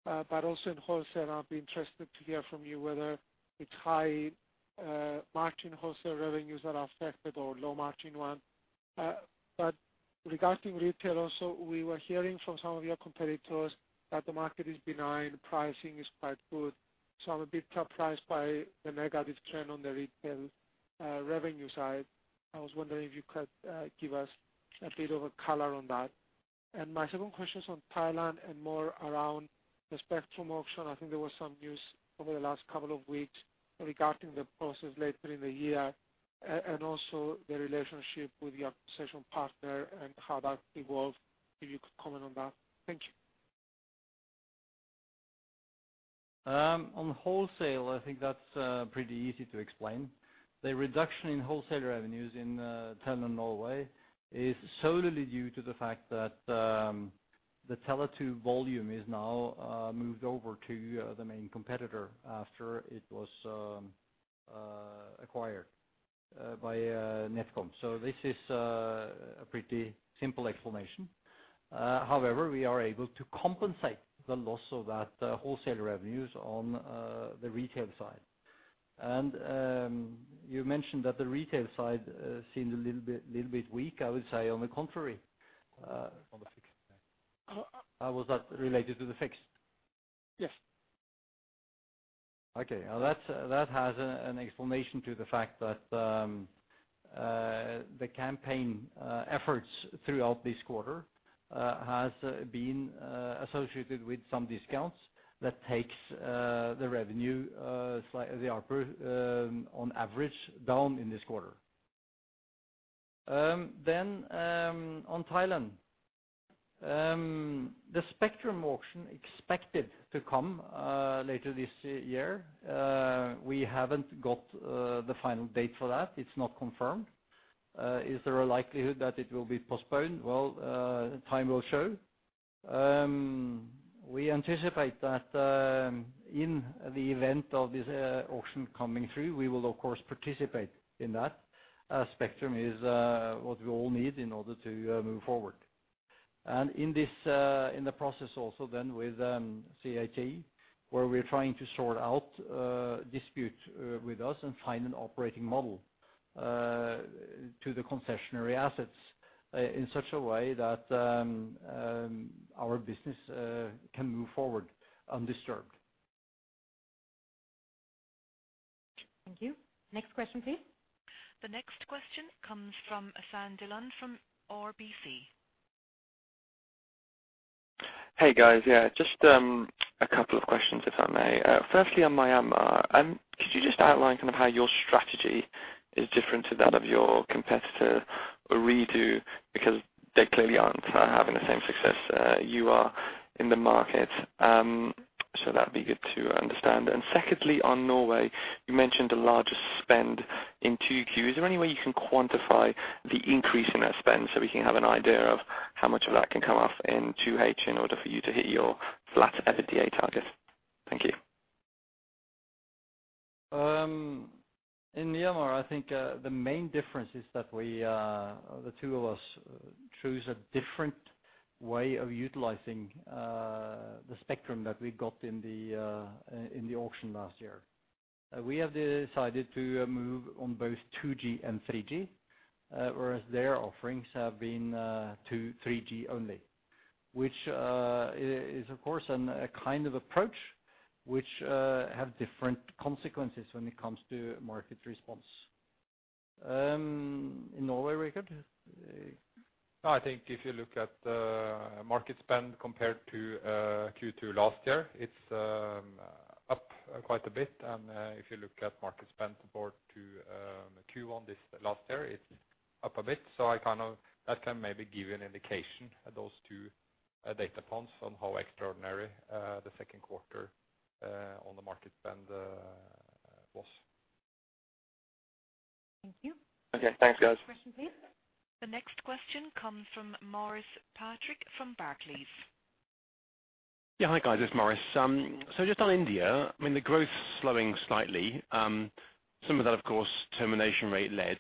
but also in wholesale. I'd be interested to hear from you whether it's high margin wholesale revenues that are affected or low-margin one. But regarding retail also, we were hearing from some of your competitors that the market is benign, pricing is quite good. So I'm a bit surprised by the negative trend on the retail revenue side. I was wondering if you could give us a bit of a color on that. And my second question is on Thailand and more around the spectrum auction. I think there was some news over the last couple of weeks regarding the process later in the year, and also the relationship with your concession partner and how that evolved. If you could comment on that? Thank you. On wholesale, I think that's pretty easy to explain. The reduction in wholesale revenues in Telenor Norway is solely due to the fact that the Tele2 volume is now moved over to the main competitor after it was acquired by NetCom. So this is a pretty simple explanation. However, we are able to compensate the loss of that wholesale revenues on the retail side. And you mentioned that the retail side seemed a little bit weak. I would say on the contrary. On the fixed side. How was that related to the fixed? Yes. Okay, now that's that has an explanation to the fact that the campaign efforts throughout this quarter has been associated with some discounts that takes the ARPU on average down in this quarter. Then, on Thailand. The spectrum auction expected to come later this year. We haven't got the final date for that. It's not confirmed. Is there a likelihood that it will be postponed? Well, time will show. We anticipate that in the event of this auction coming through, we will of course participate in that. Spectrum is what we all need in order to move forward. In this, in the process also then with CAT, where we're trying to sort out dispute with us and find an operating model to the concessionary assets in such a way that our business can move forward undisturbed. Thank you. Next question, please. The next question comes from San Dhillon from RBC Hey, guys. Yeah, just, a couple of questions, if I may. Firstly, on Myanmar, could you just outline kind of how your strategy is different to that of your competitor, Ooredoo? Because they clearly aren't, having the same success, you are in the market. So that'd be good to understand. And secondly, on Norway, you mentioned a larger spend in 2Q. Is there any way you can quantify the increase in that spend, so we can have an idea of how much of that can come off in 2H, in order for you to hit your flat EBITDA target? Thank you. In Myanmar, I think, the main difference is that we, the two of us choose a different way of utilizing, the spectrum that we got in the, in the auction last year. We have decided to move on both 2G and 3G, whereas their offerings have been, 2G, 3G only. Which, is of course, a kind of approach which, have different consequences when it comes to market response. In Norway, Richard? I think if you look at the market spend compared to Q2 last year, it's up quite a bit. If you look at market spend compared to Q1 this last year, it's up a bit. So that can maybe give you an indication of those two data points on how extraordinary the second quarter on the market spend was. Thank you. Okay. Thanks, guys. Next question, please. The next question comes from Maurice Patrick from Barclays. Yeah. Hi, guys, it's Maurice. So just on India, I mean, the growth slowing slightly, some of that, of course, termination rate led.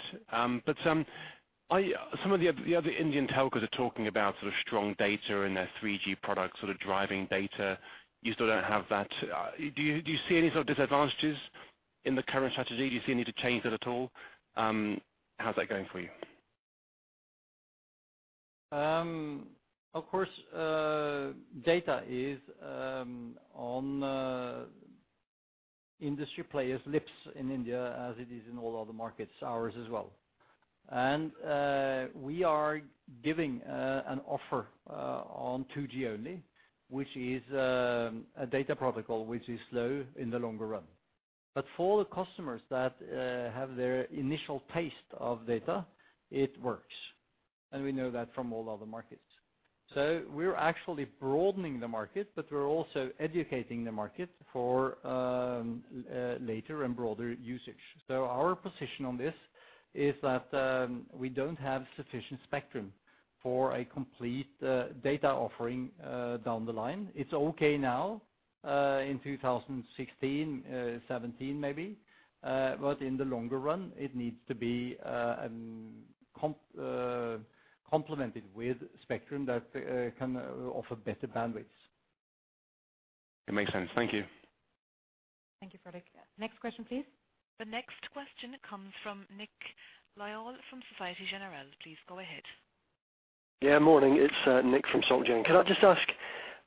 But some of the other Indian telcos are talking about sort of strong data and their 3G products sort of driving data. You still don't have that. Do you see any sort of disadvantages in the current strategy? Do you see a need to change that at all? How's that going for you? Of course, data is on industry players' lips in India, as it is in all other markets, ours as well. And we are giving an offer on 2G only, which is a data protocol, which is slow in the longer run. But for the customers that have their initial taste of data, it works, and we know that from all other markets. So we're actually broadening the market, but we're also educating the market for later and broader usage. So our position on this is that we don't have sufficient spectrum for a complete data offering down the line. It's okay now in 2016, 2017, maybe, but in the longer run, it needs to be complemented with spectrum that can offer better bandwidths. It makes sense. Thank you. Thank you, Patrick. Next question, please. The next question comes from Nick Lyall, from Société Générale. Please go ahead. Yeah, morning, it's Nick from Societe Generale. Can I just ask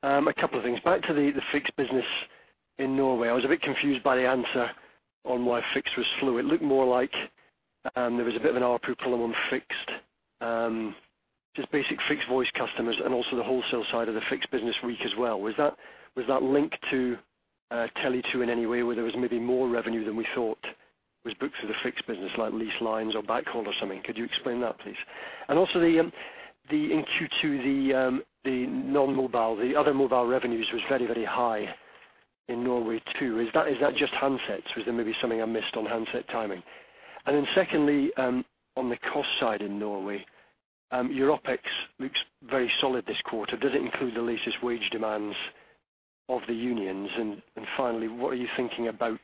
a couple of things? Back to the fixed business in Norway, I was a bit confused by the answer on why fixed was slow. It looked more like there was a bit of an ARPU problem on fixed, just basic fixed voice customers, and also the wholesale side of the fixed business weak as well. Was that linked to Tele2 in any way, where there was maybe more revenue than we thought was booked through the fixed business, like leased lines or backhaul or something? Could you explain that, please? And also, in Q2, the non-mobile, the other mobile revenues was very, very high in Norway, too. Is that just handsets, or is there maybe something I missed on handset timing? And then secondly, on the cost side in Norway, your OpEx looks very solid this quarter. Does it include the latest wage demands of the unions? And finally, what are you thinking about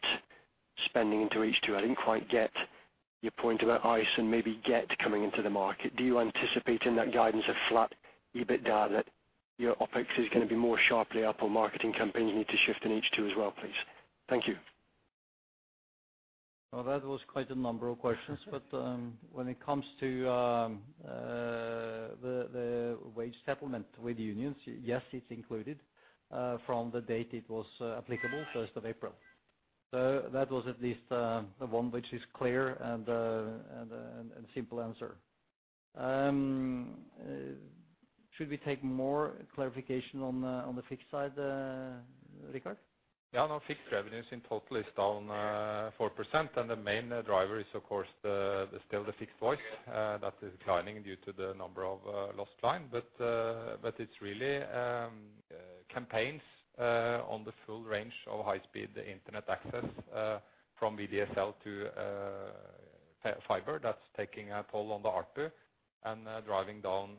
spending into H2? I didn't quite get your point about Ice and maybe Get coming into the market. Do you anticipate in that guidance of flat EBITDA, that your OpEx is gonna be more sharply up on marketing campaigns you need to shift in H2 as well, please? Thank you. Well, that was quite a number of questions, but when it comes to the wage settlement with unions, yes, it's included from the date it was applicable, first of April. So that was at least the one which is clear and simple answer. Should we take more clarification on the fixed side, Richard? Yeah, no, fixed revenues in total is down 4%, and the main driver is, of course, still the fixed voice. That is declining due to the number of lost line. But it's really campaigns on the full range of high-speed internet access from VDSL to fiber, that's taking a toll on the output and driving down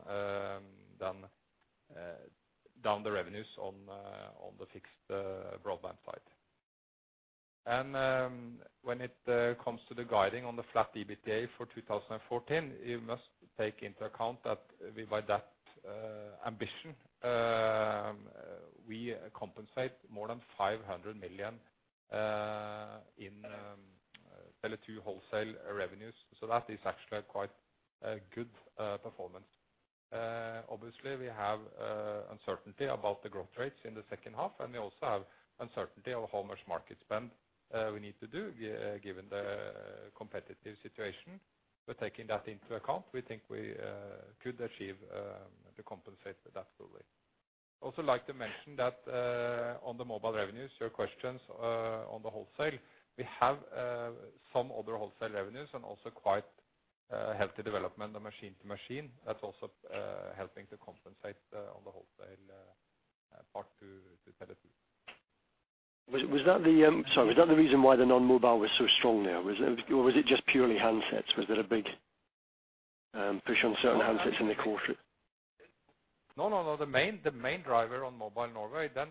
the revenues on the fixed broadband side. And when it comes to the guiding on the flat EBITDA for 2014, you must take into account that we, by that ambition, we compensate more than 500 million in Tele2 wholesale revenues. So that is actually a quite good performance. Obviously, we have uncertainty about the growth rates in the second half, and we also have uncertainty of how much market spend we need to do given the competitive situation. But taking that into account, we think we could achieve to compensate that fully. Also like to mention that on the mobile revenues, your questions on the wholesale, we have some other wholesale revenues and also quite healthy development of machine-to-machine. That's also helping to compensate on the wholesale part to Tele2. Sorry, was that the reason why the non-mobile was so strong there? Was it, or was it just purely handsets? Was there a big push on certain handsets in the quarter? No, no, no. The main, the main driver on mobile Norway, then,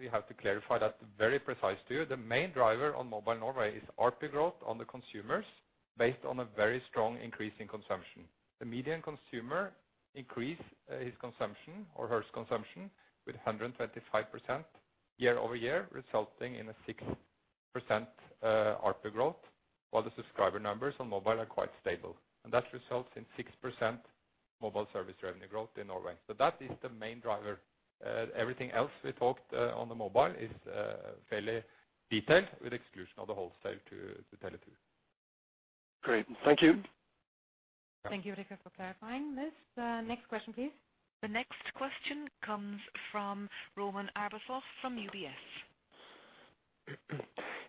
we have to clarify that very precise to you. The main driver on mobile Norway is ARPU growth on the consumers, based on a very strong increase in consumption. The median consumer increase, his consumption or her consumption with 125% year-over-year, resulting in a 6% ARPU growth, while the subscriber numbers on mobile are quite stable. And that results in 6% mobile service revenue growth in Norway. So that is the main driver. Everything else we talked on the mobile is fairly detailed, with exclusion of the wholesale to Tele2. Great. Thank you. Thank you, Richard, for clarifying this. Next question, please. The next question comes from Roman Arbuzov from UBS.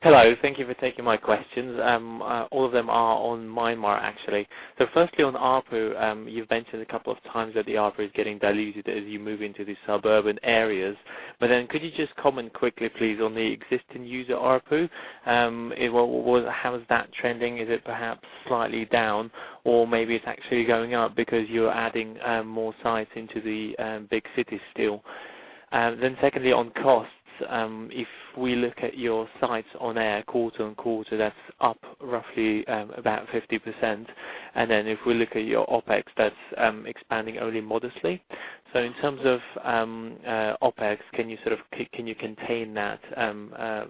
Hello. Thank you for taking my questions. All of them are on Myanmar, actually. So firstly, on ARPU, you've mentioned a couple of times that the ARPU is getting diluted as you move into the suburban areas. But then could you just comment quickly, please, on the existing user ARPU? It was, how is that trending? Is it perhaps slightly down, or maybe it's actually going up because you're adding more sites into the big cities still? And then secondly, on costs, if we look at your sites on air, quarter-on-quarter, that's up roughly about 50%. And then if we look at your OpEx, that's expanding only modestly. So in terms of OpEx, can you sort of can you contain that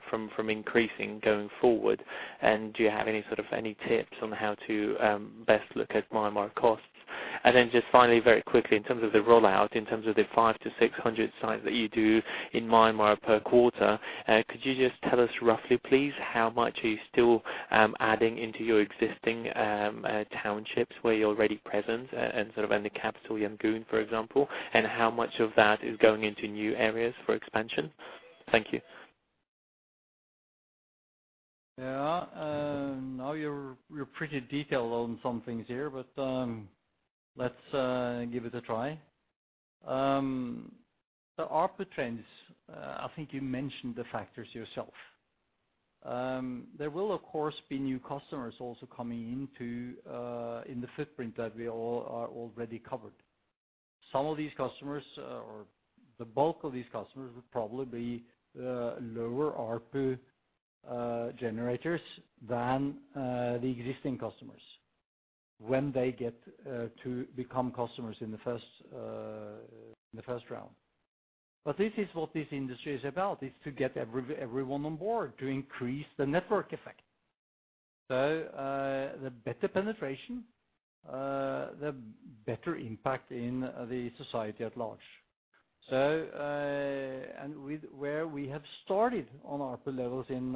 from increasing going forward? Do you have any sort of tips on how to best look at Myanmar costs? And then just finally, very quickly, in terms of the rollout, in terms of the 500-600 sites that you do in Myanmar per quarter, could you just tell us roughly, please, how much are you still adding into your existing townships where you're already present and sort of in the capital, Yangon, for example, and how much of that is going into new areas for expansion? Thank you. Yeah. Now you're, you're pretty detailed on some things here, but, let's give it a try. The ARPU trends, I think you mentioned the factors yourself. There will, of course, be new customers also coming into, in the footprint that we all are already covered. Some of these customers, or the bulk of these customers, will probably be, lower ARPU, generators than, the existing customers when they get, to become customers in the first round. But this is what this industry is about, is to get everyone on board, to increase the network effect. So, the better penetration, the better impact in the society at large. So, and with where we have started on ARPU levels in,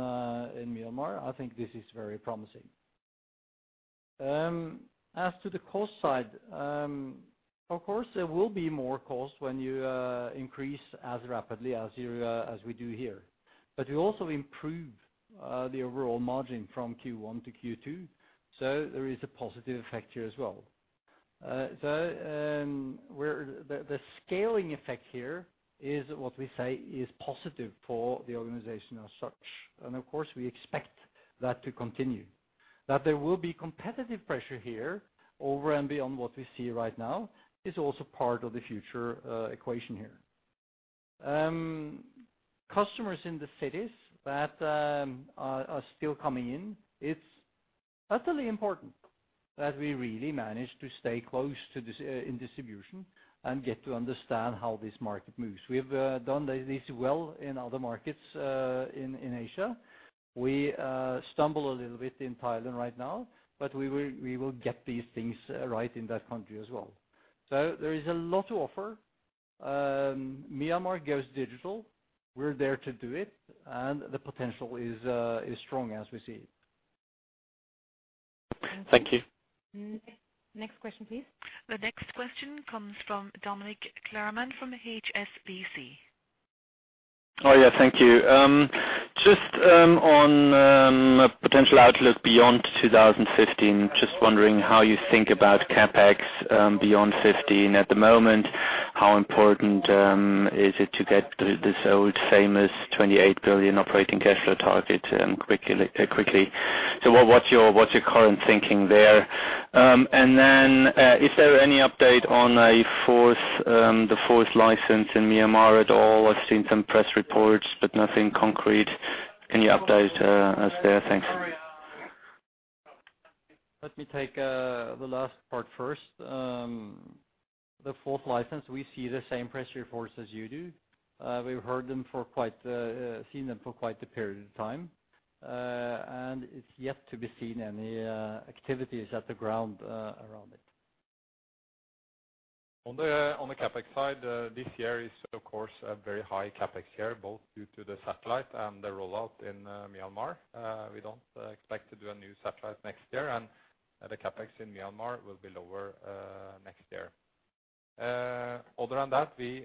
in Myanmar, I think this is very promising. As to the cost side, of course, there will be more costs when you increase as rapidly as we do here. But we also improve the overall margin from Q1 to Q2, so there is a positive effect here as well. So, the scaling effect here is what we say is positive for the organization as such. And of course, we expect that to continue. That there will be competitive pressure here over and beyond what we see right now is also part of the future equation here. Customers in the cities that are still coming in, it's utterly important that we really manage to stay close to this in distribution and get to understand how this market moves. We've done this well in other markets in Asia. We stumble a little bit in Thailand right now, but we will get these things right in that country as well. So there is a lot to offer. Myanmar goes digital, we're there to do it, and the potential is strong as we see it. Thank you. Next question, please. The next question comes from Dominik Klarmann from HSBC. Oh, yeah. Thank you. Just on potential outlook beyond 2015, just wondering how you think about CapEx beyond 2015. At the moment, how important is it to get this old famous 28 billion operating cash flow target quickly, quickly? So what's your current thinking there? And then, is there any update on the fourth license in Myanmar at all? I've seen some press reports, but nothing concrete. Can you update us there? Thanks. Let me take the last part first. The fourth license, we see the same press reports as you do. We've seen them for quite a period of time... and it's yet to be seen any activities on the ground around it. On the CapEx side, this year is of course a very high CapEx year, both due to the satellite and the rollout in Myanmar. We don't expect to do a new satellite next year, and the CapEx in Myanmar will be lower next year. Other than that, we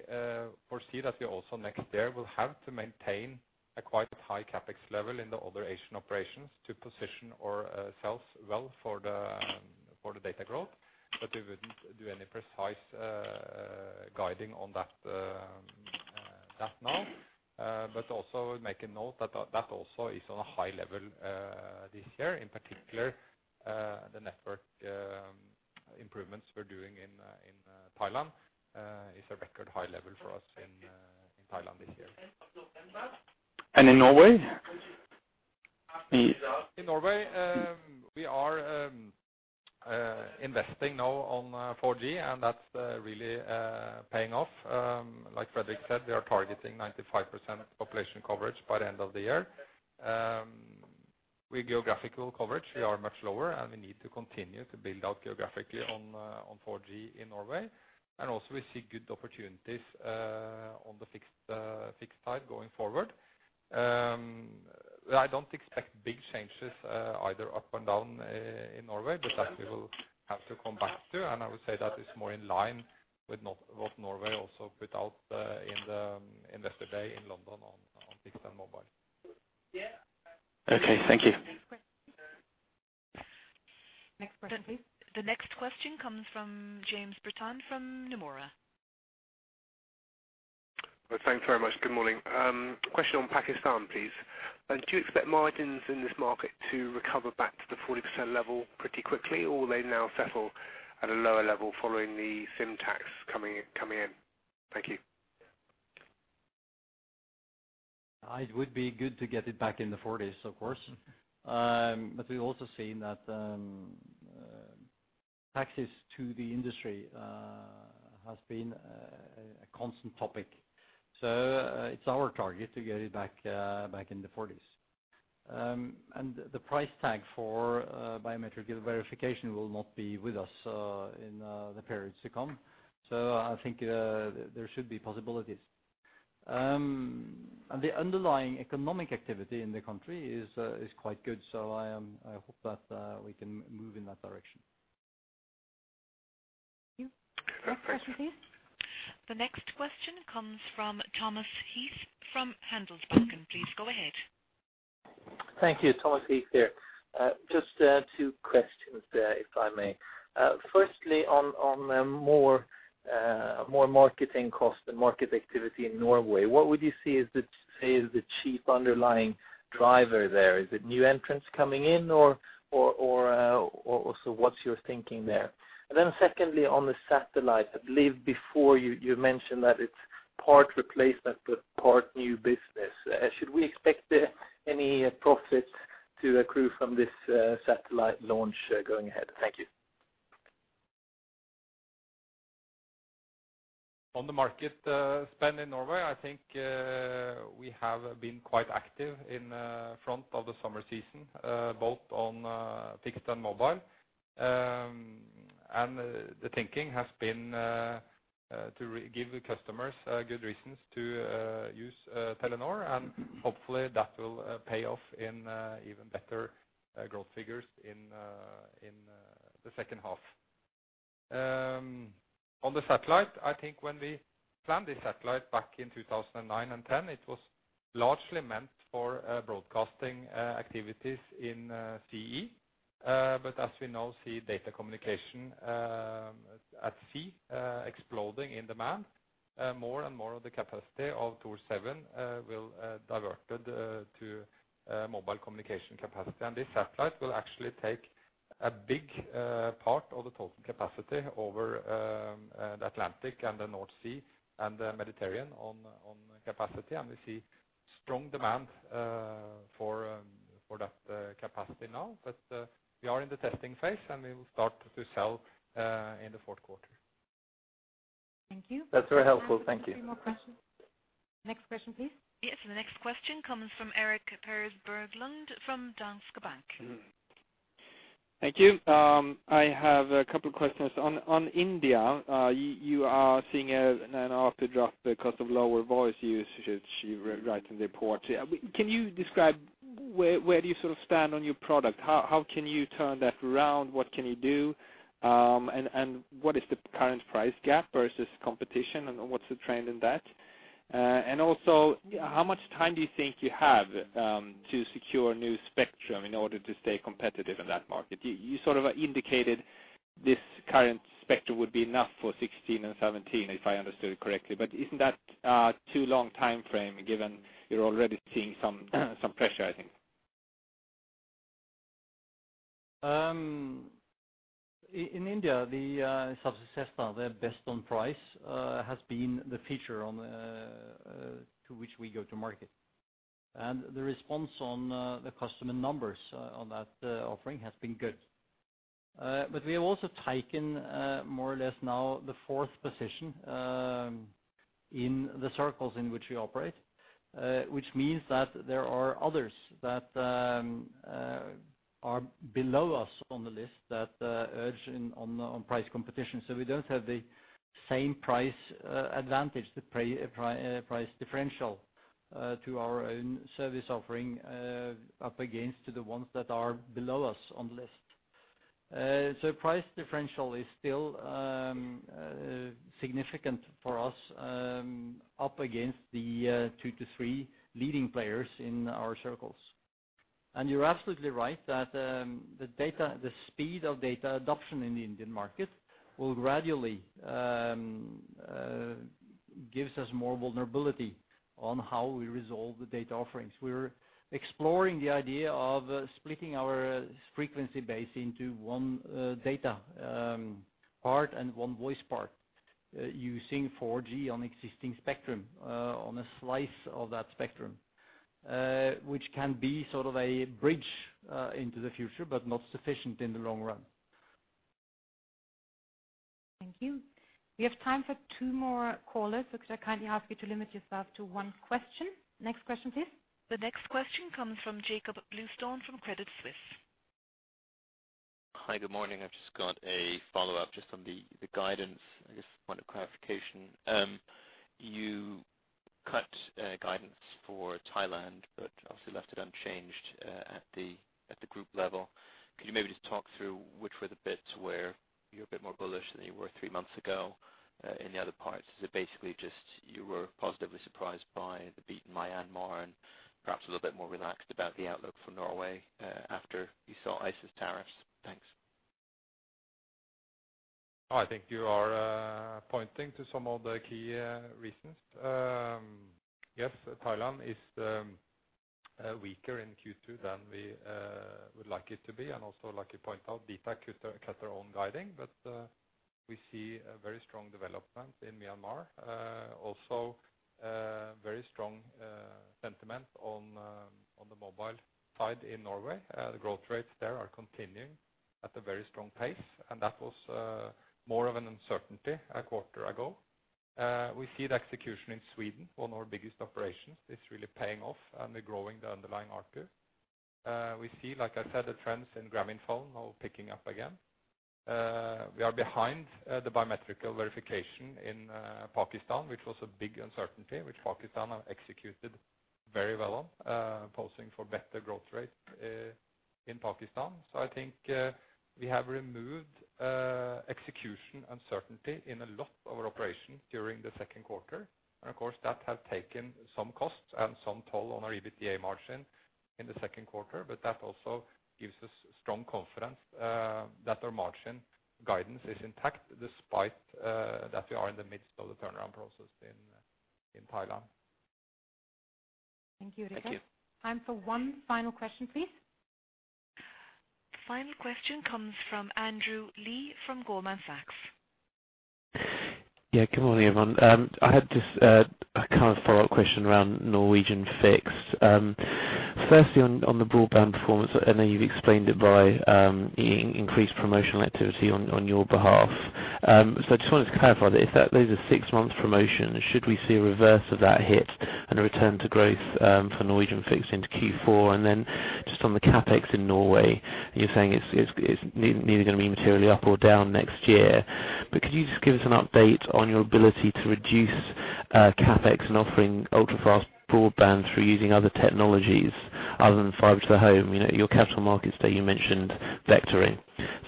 foresee that we also next year will have to maintain a quite high CapEx level in the other Asian operations to position our sales well for the data growth, but we wouldn't do any precise guiding on that now. But also make a note that that also is on a high level this year, in particular, the network improvements we're doing in Thailand is a record high level for us in Thailand this year. In Norway? In Norway, we are investing now on 4G, and that's really paying off. Like Fredrik said, we are targeting 95% population coverage by the end of the year. With geographical coverage, we are much lower, and we need to continue to build out geographically on 4G in Norway. And also, we see good opportunities on the fixed side going forward. I don't expect big changes either up or down in Norway, but that we will have to come back to, and I would say that is more in line with what Norway also put out yesterday in London on fixed and mobile. Okay, thank you. Next question, please. The next question comes from James Britton from Nomura. Well, thanks very much. Good morning. Question on Pakistan, please. Do you expect margins in this market to recover back to the 40% level pretty quickly, or will they now settle at a lower level following the SIM tax coming in? Thank you. It would be good to get it back in the forties, of course. But we've also seen that taxes to the industry has been a constant topic. So it's our target to get it back in the forties. And the price tag for biometric verification will not be with us in the periods to come, so I think there should be possibilities. And the underlying economic activity in the country is quite good, so I hope that we can move in that direction. Thank you. Next question, please. The next question comes from Thomas Heath from Handelsbanken. Please go ahead. Thank you. Thomas Heath here. Just two questions, if I may. Firstly, on more marketing costs and market activity in Norway, what would you say is the chief underlying driver there? Is it new entrants coming in or so what's your thinking there? And then secondly, on the satellite, I believe before you mentioned that it's part replacement but part new business. Should we expect any profits to accrue from this satellite launch going ahead? Thank you. On the marketing spend in Norway, I think we have been quite active in front of the summer season, both on fixed and mobile. And the thinking has been to re-give the customers good reasons to use Telenor, and hopefully that will pay off in even better growth figures in the second half. On the satellite, I think when we planned the satellite back in 2009 and 2010, it was largely meant for broadcasting activities in CE. But as we now see data communication at sea exploding in demand, more and more of the capacity of Thor 7 will diverted to mobile communication capacity. And this satellite will actually take a big part of the total capacity over the Atlantic and the North Sea and the Mediterranean on capacity. And we see strong demand for that capacity now. But we are in the testing phase, and we will start to sell in the fourth quarter. Thank you. That's very helpful. Thank you. Three more questions. Next question, please. Yes, the next question comes from Erik Peter Berglund, from Danske Bank. Thank you. I have a couple questions. On India, you are seeing an afterdrop because of lower voice usage, you write in the report. Yeah, can you describe where you sort of stand on your product? How can you turn that around? What can you do? And what is the current price gap versus competition, and what's the trend in that? And also, how much time do you think you have to secure new spectrum in order to stay competitive in that market? You sort of indicated this current spectrum would be enough for 2016 and 2017, if I understood it correctly, but isn't that a too long timeframe, given you're already seeing some pressure, I think? In India, the subscription system there based on price has been the foundation to which we go to market. The response on the customer numbers on that offering has been good. But we have also taken more or less now the fourth position in the circles in which we operate, which means that there are others that are below us on the list that engage in price competition. So we don't have the same price advantage, the price differential to our own service offering up against the ones that are below us on the list. So price differential is still significant for us up against the two to three leading players in our circles. You're absolutely right that the speed of data adoption in the Indian market will gradually gives us more vulnerability on how we resolve the data offerings. We're exploring the idea of splitting our frequency base into one data part and one voice part, using 4G on existing spectrum, on a slice of that spectrum, which can be sort of a bridge into the future, but not sufficient in the long run. Thank you. We have time for two more callers. Could I kindly ask you to limit yourself to one question? Next question, please. The next question comes from Jakob Bluestone from Credit Suisse. Hi, good morning. I've just got a follow-up just on the guidance, I guess, point of clarification. You cut guidance for Thailand, but obviously left it unchanged at the group level. Could you maybe just talk through which were the bits where you're a bit more bullish than you were three months ago in the other parts? Is it basically just you were positively surprised by the beat in Myanmar and perhaps a little bit more relaxed about the outlook for Norway after you saw Ice's tariffs? Thanks. I think you are pointing to some of the key reasons. Yes, Thailand is weaker in Q2 than we would like it to be, and also, like you point out, dtac cut their own guidance. But we see a very strong development in Myanmar. Also, very strong sentiment on the mobile side in Norway. The growth rates there are continuing at a very strong pace, and that was more of an uncertainty a quarter ago. We see the execution in Sweden, one of our biggest operations, is really paying off, and we're growing the underlying ARPU. We see, like I said, the trends in Grameenphone now picking up again. We are behind the biometric verification in Pakistan, which was a big uncertainty, which Pakistan have executed very well on, paving for better growth rate in Pakistan. So I think we have removed execution uncertainty in a lot of our operations during the second quarter. And of course, that has taken some costs and some toll on our EBITDA margin in the second quarter, but that also gives us strong confidence that our margin guidance is intact, despite that we are in the midst of the turnaround process in Thailand. Thank you. Time for one final question, please. Final question comes from Andrew Lee from Goldman Sachs. Yeah, good morning, everyone. I had just a kind of follow-up question around Norwegian Fixed. Firstly, on the broadband performance, I know you've explained it by increased promotional activity on your behalf. So I just wanted to clarify, if that there's a six-month promotion, should we see a reverse of that hit and a return to growth for Norwegian Fixed into Q4? And then just on the CapEx in Norway, you're saying it's neither gonna be materially up or down next year. But could you just give us an update on your ability to reduce CapEx and offering ultra-fast broadband through using other technologies other than fiber to the home? You know, your capital markets day, you mentioned vectoring.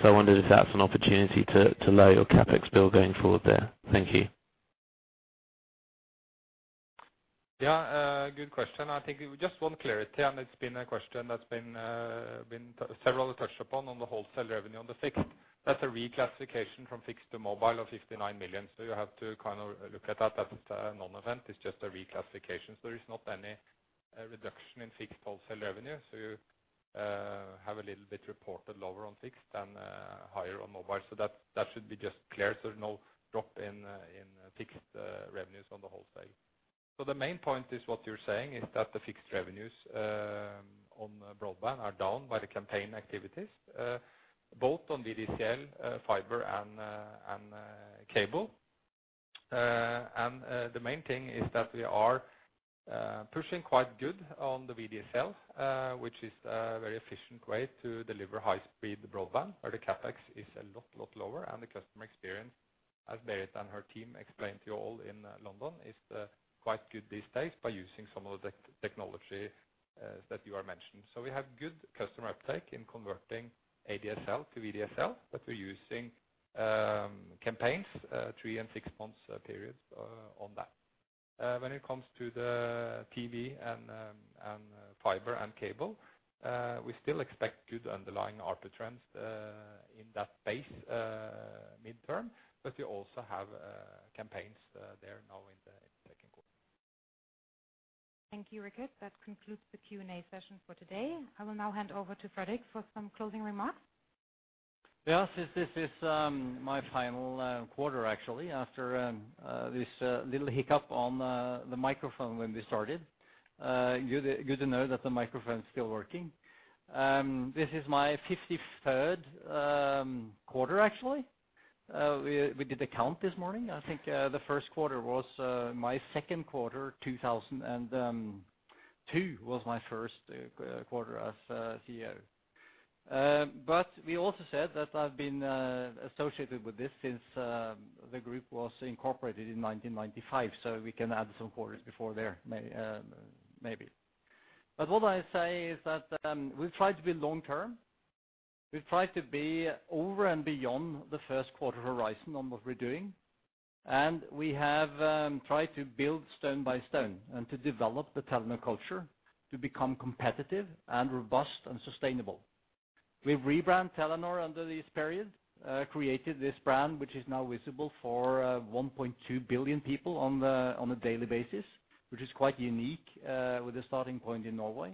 So I wondered if that's an opportunity to lower your CapEx bill going forward there. Thank you. Yeah, good question. I think just one clarity, and it's been a question that's been been several touched upon on the wholesale revenue on the fixed. That's a reclassification from fixed to mobile of 59 million. So you have to kind of look at that as a non-event. It's just a reclassification. There is not any reduction in fixed wholesale revenue, so you have a little bit reported lower on fixed and higher on mobile. So that, that should be just clear. So no drop in in fixed revenues on the wholesale. So the main point is what you're saying, is that the fixed revenues on broadband are down by the campaign activities both on VDSL, fiber, and and cable. The main thing is that we are pushing quite good on the VDSL, which is a very efficient way to deliver high-speed broadband, where the CapEx is a lot, lot lower, and the customer experience, as Berit and her team explained to you all in London, is quite good these days by using some of the technology that you are mentioning. So we have good customer uptake in converting ADSL to VDSL, but we're using campaigns, three and six months periods, on that. When it comes to the TV and fiber and cable, we still expect good underlying ARPU trends in that space midterm, but we also have campaigns there now in the second quarter. Thank you, Richard. That concludes the Q&A session for today. I will now hand over to Fredrik Baksaas for some closing remarks. Yeah, since this is my final quarter, actually, after this little hiccup on the microphone when we started... Good to know that the microphone is still working. This is my 53rd quarter, actually. We did the count this morning. I think the first quarter was my second quarter, 2002 was my first quarter as CEO. But we also said that I've been associated with this since the group was incorporated in 1995, so we can add some quarters before there, maybe. But what I say is that we've tried to be long term. We've tried to be over and beyond the first quarter horizon on what we're doing, and we have tried to build stone by stone and to develop the Telenor culture to become competitive and robust and sustainable. We've rebranded Telenor under this period, created this brand, which is now visible for 1.2 billion people on a daily basis, which is quite unique, with a starting point in Norway.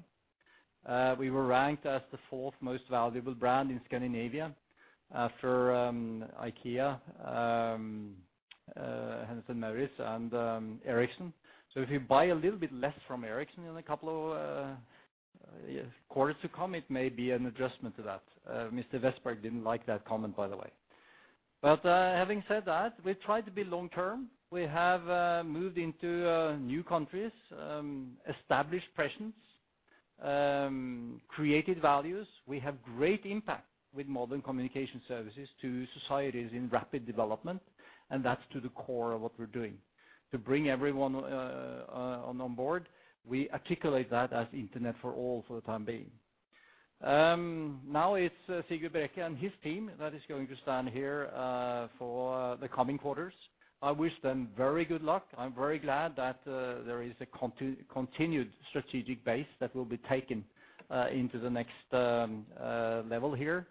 We were ranked as the fourth most valuable brand in Scandinavia, for IKEA, Hennes & Mauritz, and Ericsson. So if you buy a little bit less from Ericsson in a couple of quarters to come, it may be an adjustment to that. Mr. Vestberg didn't like that comment, by the way. But having said that, we've tried to be long term. We have moved into new countries, established presence, created values. We have great impact with modern communication services to societies in rapid development, and that's to the core of what we're doing. To bring everyone on board, we articulate that as Internet for All for the time being. Now it's Sigve Brekke and his team that is going to stand here for the coming quarters. I wish them very good luck. I'm very glad that there is a continued strategic base that will be taken into the next level here.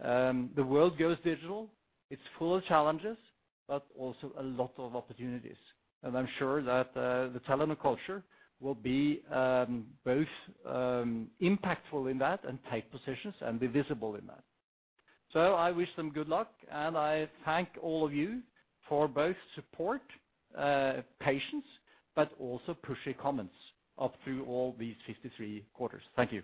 The world goes digital. It's full of challenges, but also a lot of opportunities. And I'm sure that the Telenor culture will be both impactful in that and take positions and be visible in that. So I wish them good luck, and I thank all of you for both support, patience, but also pushy comments up through all these 53 quarters. Thank you.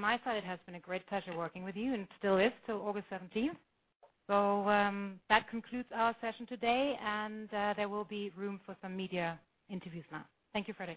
From my side, it has been a great pleasure working with you, and still is till August seventeenth. So, that concludes our session today, and, there will be room for some media interviews now. Thank you for attending.